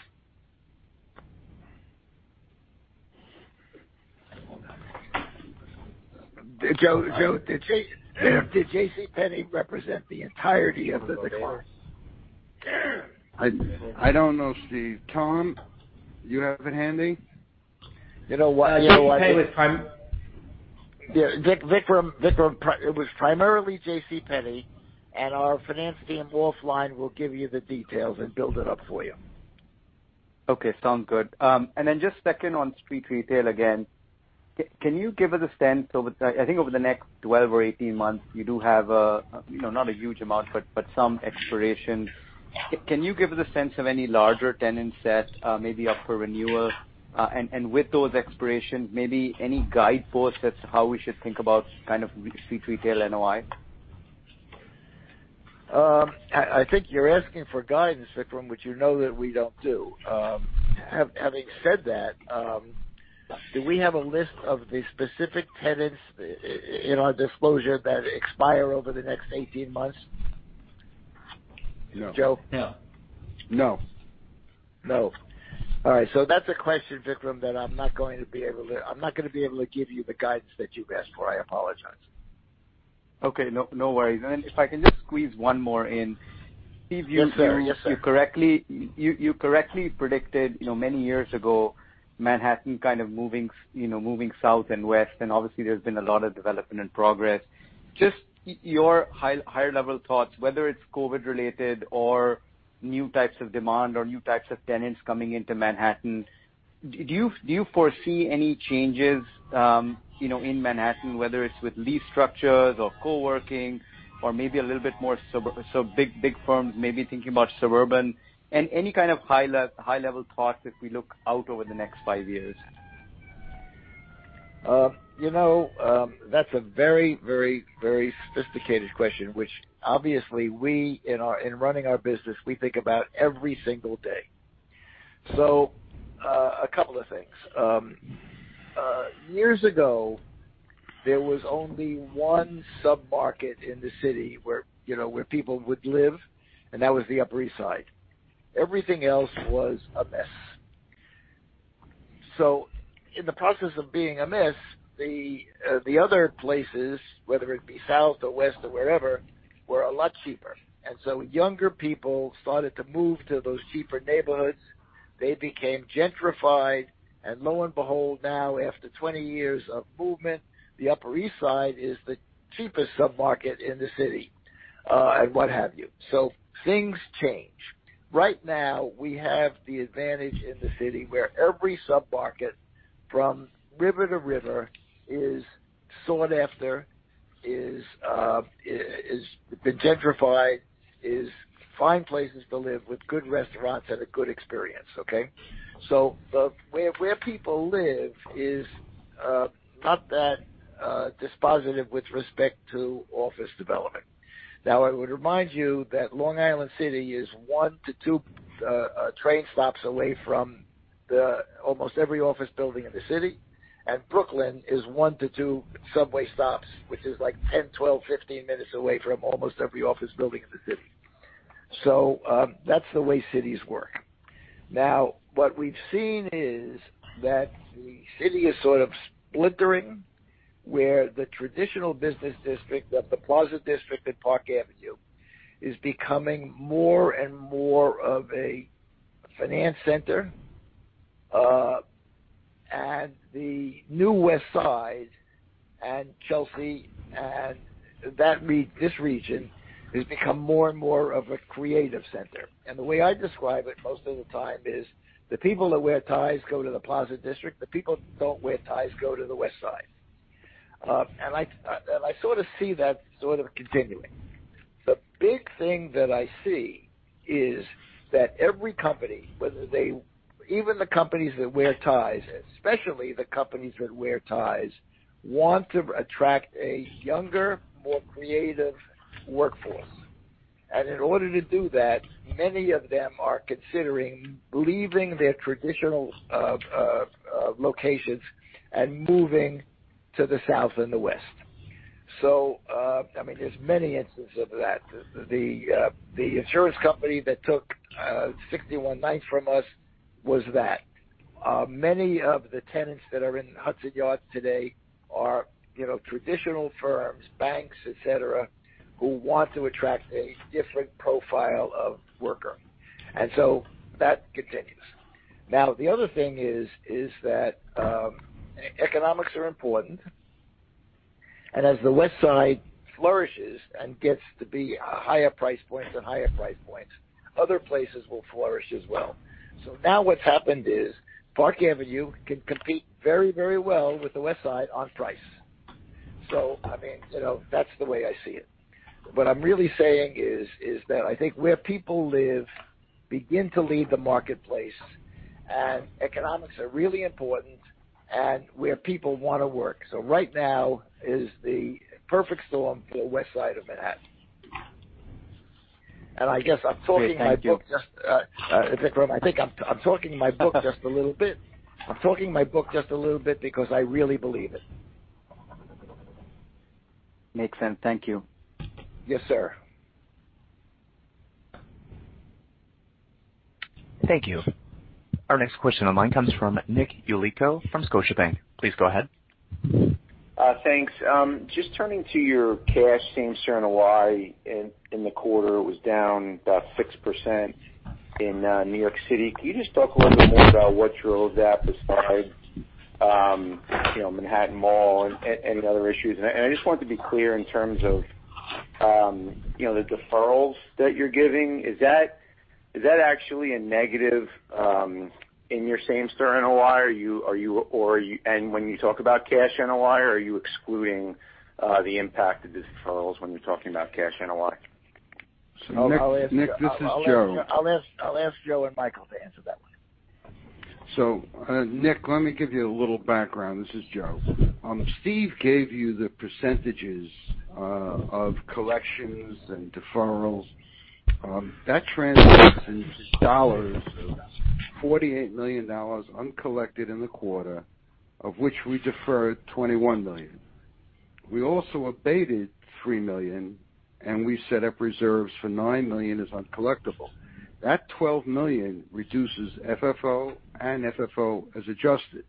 Hold on. Joe, did JCPenney represent the entirety of the decline? I don't know, Steve. Tom, you have it handy? You know what- JCPenney was prime- Vikram, it was primarily JCPenney, and our finance team offline will give you the details and build it up for you. Okay. Sounds good. Just second on street retail again, can you give us a sense, I think over the next 12 or 18 months, you do have a, not a huge amount, but some expiration. Can you give us a sense of any larger tenants that may be up for renewal? With those expirations, maybe any guideposts as to how we should think about kind of street retail NOI? I think you're asking for guidance, Vikram, which you know that we don't do. Having said that, do we have a list of the specific tenants in our disclosure that expire over the next 18 months? No. Joe? No. No. All right. That's a question, Vikram, that I'm not going to be able to give you the guidance that you've asked for. I apologize. Okay, no worries. If I can just squeeze one more in. Yes, sir. Steve, you correctly predicted many years ago, Manhattan kind of moving south and west, obviously there's been a lot of development and progress. Just your higher level thoughts, whether it's COVID related or new types of demand or new types of tenants coming into Manhattan, do you foresee any changes in Manhattan, whether it's with lease structures or co-working or maybe a little bit more so big firms maybe thinking about suburban and any kind of high level thoughts as we look out over the next five years? That's a very sophisticated question, which obviously we, in running our business, we think about every single day. A couple of things. Years ago, there was only one sub-market in the city where people would live, and that was the Upper East Side. Everything else was a mess. In the process of being a mess, the other places, whether it be south or west or wherever, were a lot cheaper. Younger people started to move to those cheaper neighborhoods. They became gentrified, and lo and behold, now after 20 years of movement, the Upper East Side is the cheapest sub-market in the city, and what have you. Things change. Right now, we have the advantage in the city where every sub-market from river to river is sought after, has been gentrified, is fine places to live with good restaurants and a good experience. Okay? Where people live is not that dispositive with respect to office development. I would remind you that Long Island City is one to two train stops away from almost every office building in the city, and Brooklyn is one to two subway stops, which is like 10, 12, 15 minutes away from almost every office building in the city. That's the way cities work. What we've seen is that the city is sort of splintering, where the traditional business district, the Plaza District at Park Avenue, is becoming more and more of a finance center. The new West Side and Chelsea and this region has become more and more of a creative center. The way I describe it most of the time is the people that wear ties go to the Plaza District, the people who don't wear ties go to the West Side. I sort of see that sort of continuing. The big thing that I see is that every company, even the companies that wear ties, especially the companies that wear ties, want to attract a younger, more creative workforce. In order to do that, many of them are considering leaving their traditional locations and moving to the South and the West. There's many instances of that. The insurance company that took 61 Ninth from us was that. Many of the tenants that are in Hudson Yards today are traditional firms, banks, et cetera, who want to attract a different profile of worker. That continues. The other thing is that economics are important, and as the West Side flourishes and gets to be higher price points and higher price points, other places will flourish as well. Now what's happened is Park Avenue can compete very well with the West Side on price. That's the way I see it. What I'm really saying is that I think where people live begin to lead the marketplace, and economics are really important and where people want to work. Right now is the perfect storm for the West Side of Manhattan. I guess I'm talking my book. Okay, thank you. Vikram, I think I'm talking my book just a little bit. I'm talking my book just a little bit because I really believe it. Makes sense. Thank you. Yes, sir. Thank you. Our next question online comes from Nick Yulico from Scotiabank. Please go ahead. Thanks. Just turning to your cash same-store NOI in the quarter, it was down about 6% in New York City. Can you just talk a little bit more about what drove that besides Manhattan Mall and any other issues? I just wanted to be clear in terms of the deferrals that you're giving, is that actually a negative in your same-store NOI? When you talk about cash NOI, are you excluding the impact of the deferrals when you're talking about cash NOI? Nick, this is Joe. I'll ask Joe and Michael to answer that one. Nick, let me give you a little background. This is Joe. Steven gave you the % of collections and deferrals. That translates into dollars, $48 million uncollected in the quarter, of which we deferred $21 million. We also abated $3 million, and we set up reserves for $9 million as uncollectible. That $12 million reduces FFO and FFO as adjusted,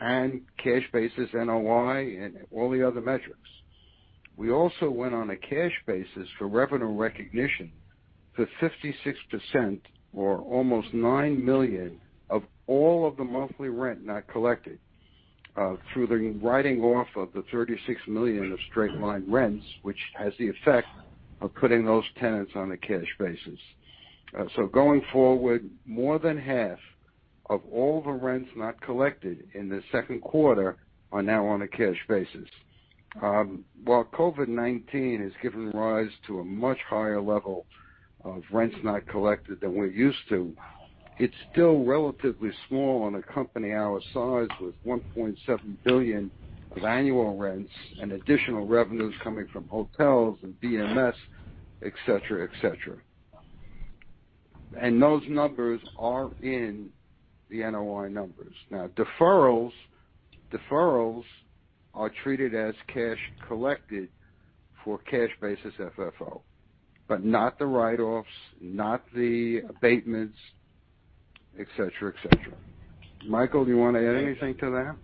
and cash basis NOI, and all the other metrics. We also went on a cash basis for revenue recognition for 56%, or almost $9 million, of all of the monthly rent not collected through the writing off of the $36 million of straight-line rents, which has the effect of putting those tenants on a cash basis. Going forward, more than half of all the rents not collected in the second quarter are now on a cash basis. While COVID-19 has given rise to a much higher level of rents not collected than we're used to, it's still relatively small on a company our size with $1.7 billion of annual rents and additional revenues coming from hotels and BMS, et cetera. Those numbers are in the NOI numbers. Now, deferrals are treated as cash collected for cash basis FFO, but not the write-offs, not the abatements, et cetera. Michael, do you want to add anything to that?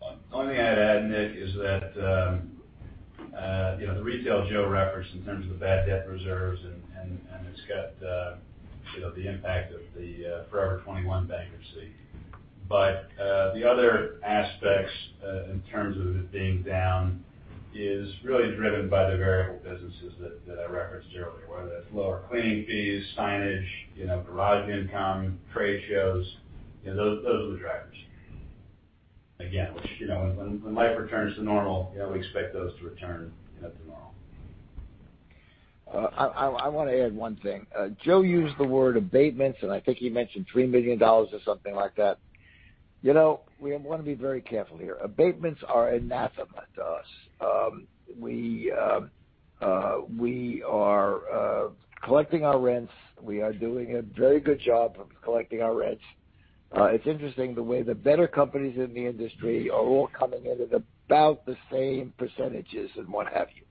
The only thing I'd add, Nick, is that the retail Joe referenced in terms of the bad debt reserves and it's got the impact of the Forever 21 bankruptcy. The other aspects in terms of it being down is really driven by the variable businesses that I referenced earlier, whether that's lower cleaning fees, signage, garage income, trade shows. Those are the drivers. Again, when life returns to normal, we expect those to return to normal. I want to add one thing. Joe used the word abatements, and I think he mentioned $3 million or something like that. We want to be very careful here. Abatements are anathema to us. We are collecting our rents. We are doing a very good job of collecting our rents. It's interesting the way the better companies in the industry are all coming in at about the same percentages and what have you.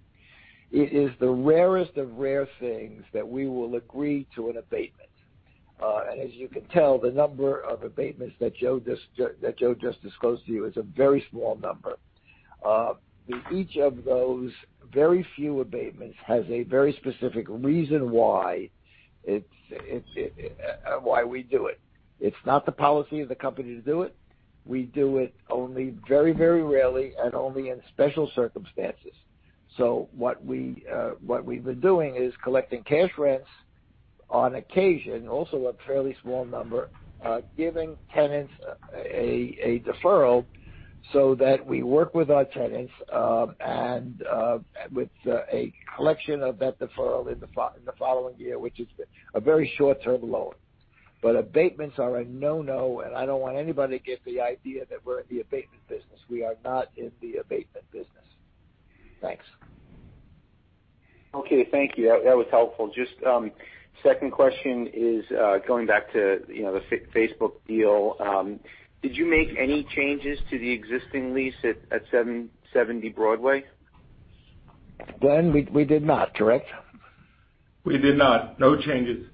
It is the rarest of rare things that we will agree to an abatement. As you can tell, the number of abatements that Joe just disclosed to you is a very small number. Each of those very few abatements has a very specific reason why we do it. It's not the policy of the company to do it. We do it only very rarely and only in special circumstances. What we've been doing is collecting cash rents on occasion, also a fairly small number, giving tenants a deferral so that we work with our tenants and with a collection of that deferral in the following year, which is a very short-term loan. Abatements are a no-no, and I don't want anybody to get the idea that we're in the abatement business. We are not in the abatement business. Thanks. Okay. Thank you. That was helpful. Just second question is going back to the Facebook deal. Did you make any changes to the existing lease at 770 Broadway? Glen, we did not, correct? We did not. No changes.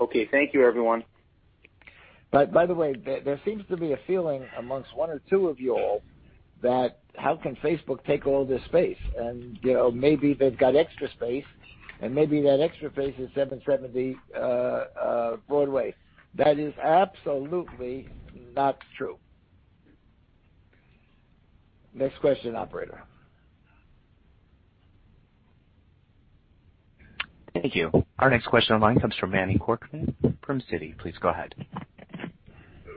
Okay. Thank you, everyone. By the way, there seems to be a feeling amongst one or two of you all that how can Facebook take all this space, and maybe they've got extra space, and maybe that extra space is 770 Broadway. That is absolutely not true. Next question, operator. Thank you. Our next question online comes from Manny Korchman from Citi. Please go ahead.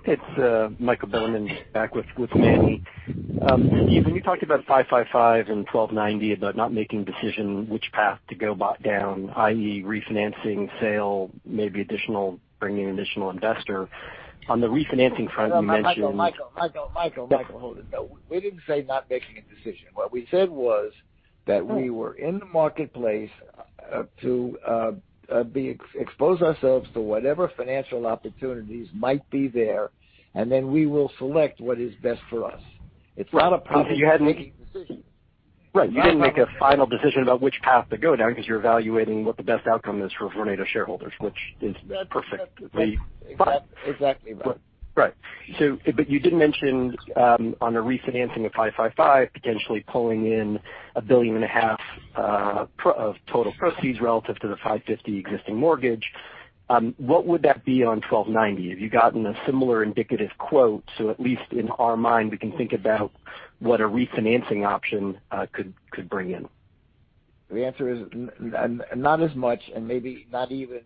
It's Michael Bilerman back with Manny. Steven, when you talked about 555 and 1290 about not making decision which path to go down, i.e., refinancing, sale, maybe bringing additional investor. Michael, hold it. No, we didn't say not making a decision. What we said was that we were in the marketplace to expose ourselves to whatever financial opportunities might be there, and then we will select what is best for us. It's not a problem making a decision. Right. You didn't make a final decision about which path to go down because you're evaluating what the best outcome is for Vornado shareholders, which is perfectly fine. Exactly right. Right. You did mention on the refinancing of 555 potentially pulling in $1.5 billion of total proceeds relative to the $550 existing mortgage. What would that be on 1290? Have you gotten a similar indicative quote, so at least in our mind, we can think about what a refinancing option could bring in? The answer is not as much, and maybe nowhere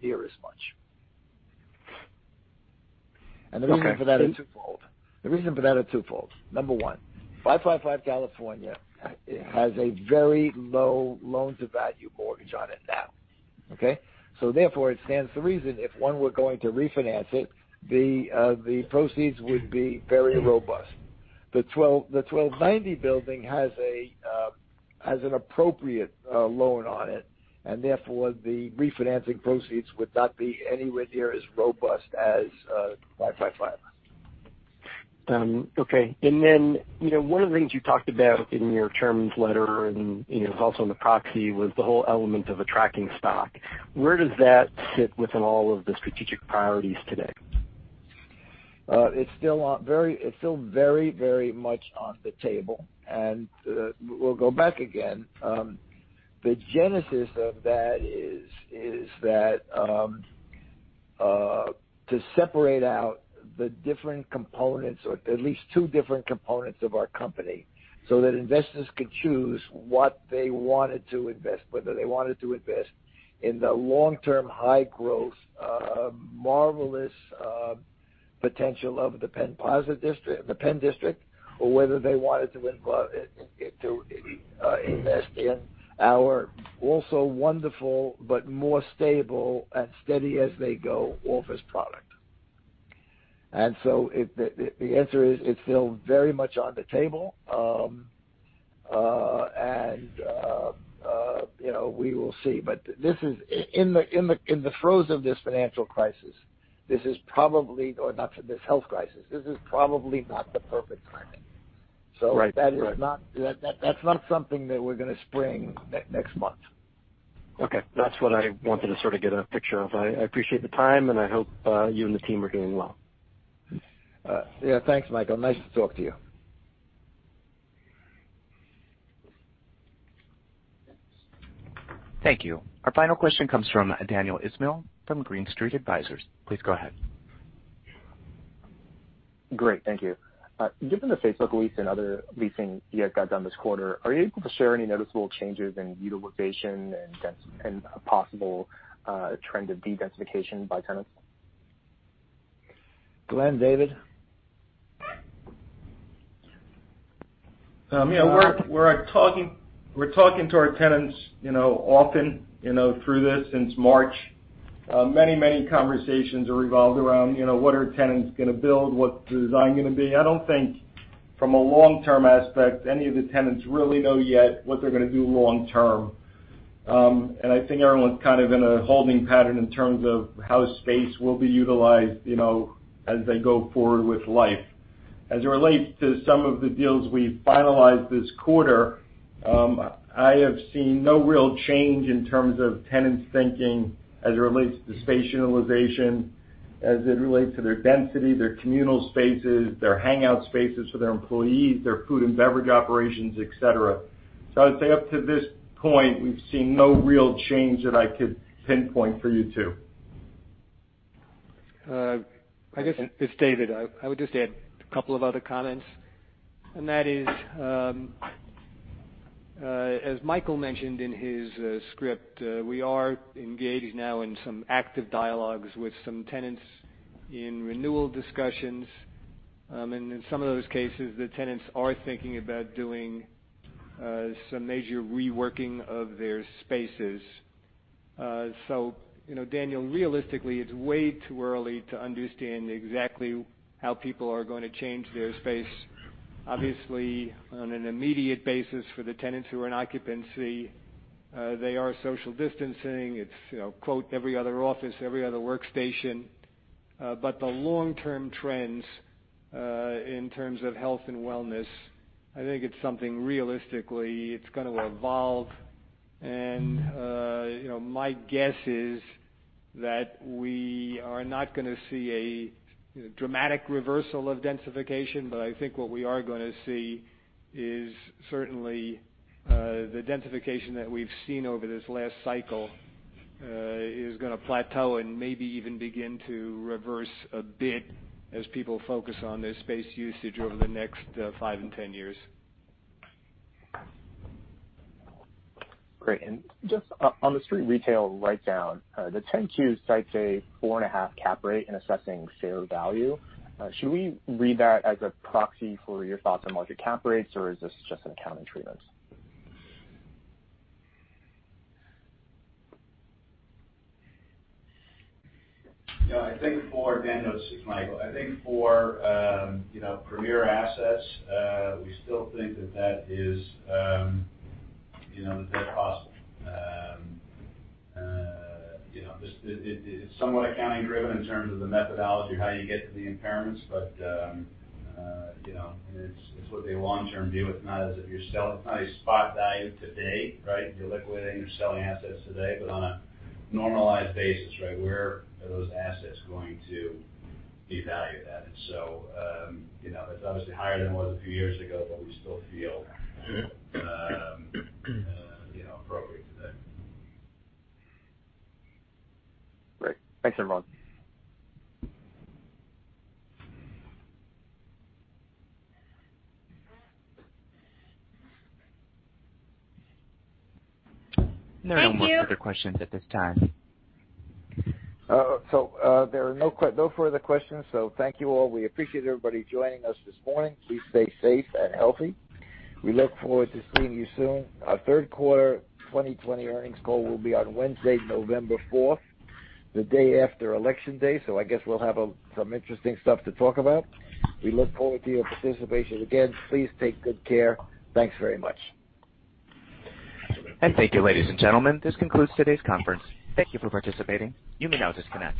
near as much. The reason for that is twofold. Number one, 555 California has a very low loan-to-value mortgage on it now. Okay. Therefore, it stands to reason if one were going to refinance it, the proceeds would be very robust. The 1290 building has an appropriate loan on it, and therefore, the refinancing proceeds would not be anywhere near as robust as 555. Okay. One of the things you talked about in your terms letter and it was also in the proxy, was the whole element of a tracking stock. Where does that sit within all of the strategic priorities today? It's still very much on the table. We will go back again. The genesis of that is that to separate out the different components, or at least two different components of our company, so that investors could choose what they wanted to invest, whether they wanted to invest in the long-term, high growth, marvelous potential of the Penn District, or whether they wanted to invest in our also wonderful but more stable and steady-as-they-go office product. The answer is, it's still very much on the table. We will see. In the throes of this financial crisis, or not, this health crisis, this is probably not the perfect timing. Right. That's not something that we're going to spring next month. Okay. That's what I wanted to sort of get a picture of. I appreciate the time, and I hope you and the team are doing well. Yeah. Thanks, Michael. Nice to talk to you. Thank you. Our final question comes from Daniel Ismail from Green Street Advisors. Please go ahead. Great. Thank you. Given the Facebook lease and other leasing you guys got done this quarter, are you able to share any noticeable changes in utilization and a possible trend of dedensification by tenants? Glen, David? Yeah. We're talking to our tenants often through this since March. Many conversations have revolved around what are tenants going to build, what's the design going to be. I don't think from a long-term aspect, any of the tenants really know yet what they're going to do long term. I think everyone's kind of in a holding pattern in terms of how space will be utilized as they go forward with life. As it relates to some of the deals we finalized this quarter, I have seen no real change in terms of tenants' thinking as it relates to space utilization, as it relates to their density, their communal spaces, their hangout spaces for their employees, their food and beverage operations, et cetera. I would say up to this point, we've seen no real change that I could pinpoint for you, too. I guess it's David. I would just add a couple of other comments, and that is, as Michael mentioned in his script, we are engaged now in some active dialogues with some tenants in renewal discussions. In some of those cases, the tenants are thinking about doing some major reworking of their spaces. Daniel, realistically, it's way too early to understand exactly how people are going to change their space. Obviously, on an immediate basis for the tenants who are in occupancy, they are social distancing. It's quote, every other office, every other workstation. The long-term trends, in terms of health and wellness, I think it's something realistically, it's going to evolve and my guess is that we are not going to see a dramatic reversal of densification, but I think what we are going to see is certainly the densification that we've seen over this last cycle is going to plateau and maybe even begin to reverse a bit as people focus on their space usage over the next five and 10 years. Great. Just on the street retail write-down, the 10-Q cites a 4.5% cap rate in assessing fair value. Should we read that as a proxy for your thoughts on market cap rates, or is this just an accounting treatment? This is Michael. I think for premier assets, we still think that that's possible. It's somewhat accounting driven in terms of the methodology of how you get to the impairments. It's what they long-term view. It's not a spot value today, right? You're liquidating, you're selling assets today, but on a normalized basis, right? Where are those assets going to be valued at? It's obviously higher than it was a few years ago, but we still feel appropriate today. Great. Thanks, everyone. There are no more further questions at this time. There are no further questions. Thank you, all. We appreciate everybody joining us this morning. Please stay safe and healthy. We look forward to seeing you soon. Our third quarter 2020 earnings call will be on Wednesday, November 4th, the day after election day. I guess we'll have some interesting stuff to talk about. We look forward to your participation. Again, please take good care. Thanks very much. Thank you, ladies and gentlemen. This concludes today's conference. Thank you for participating. You may now disconnect.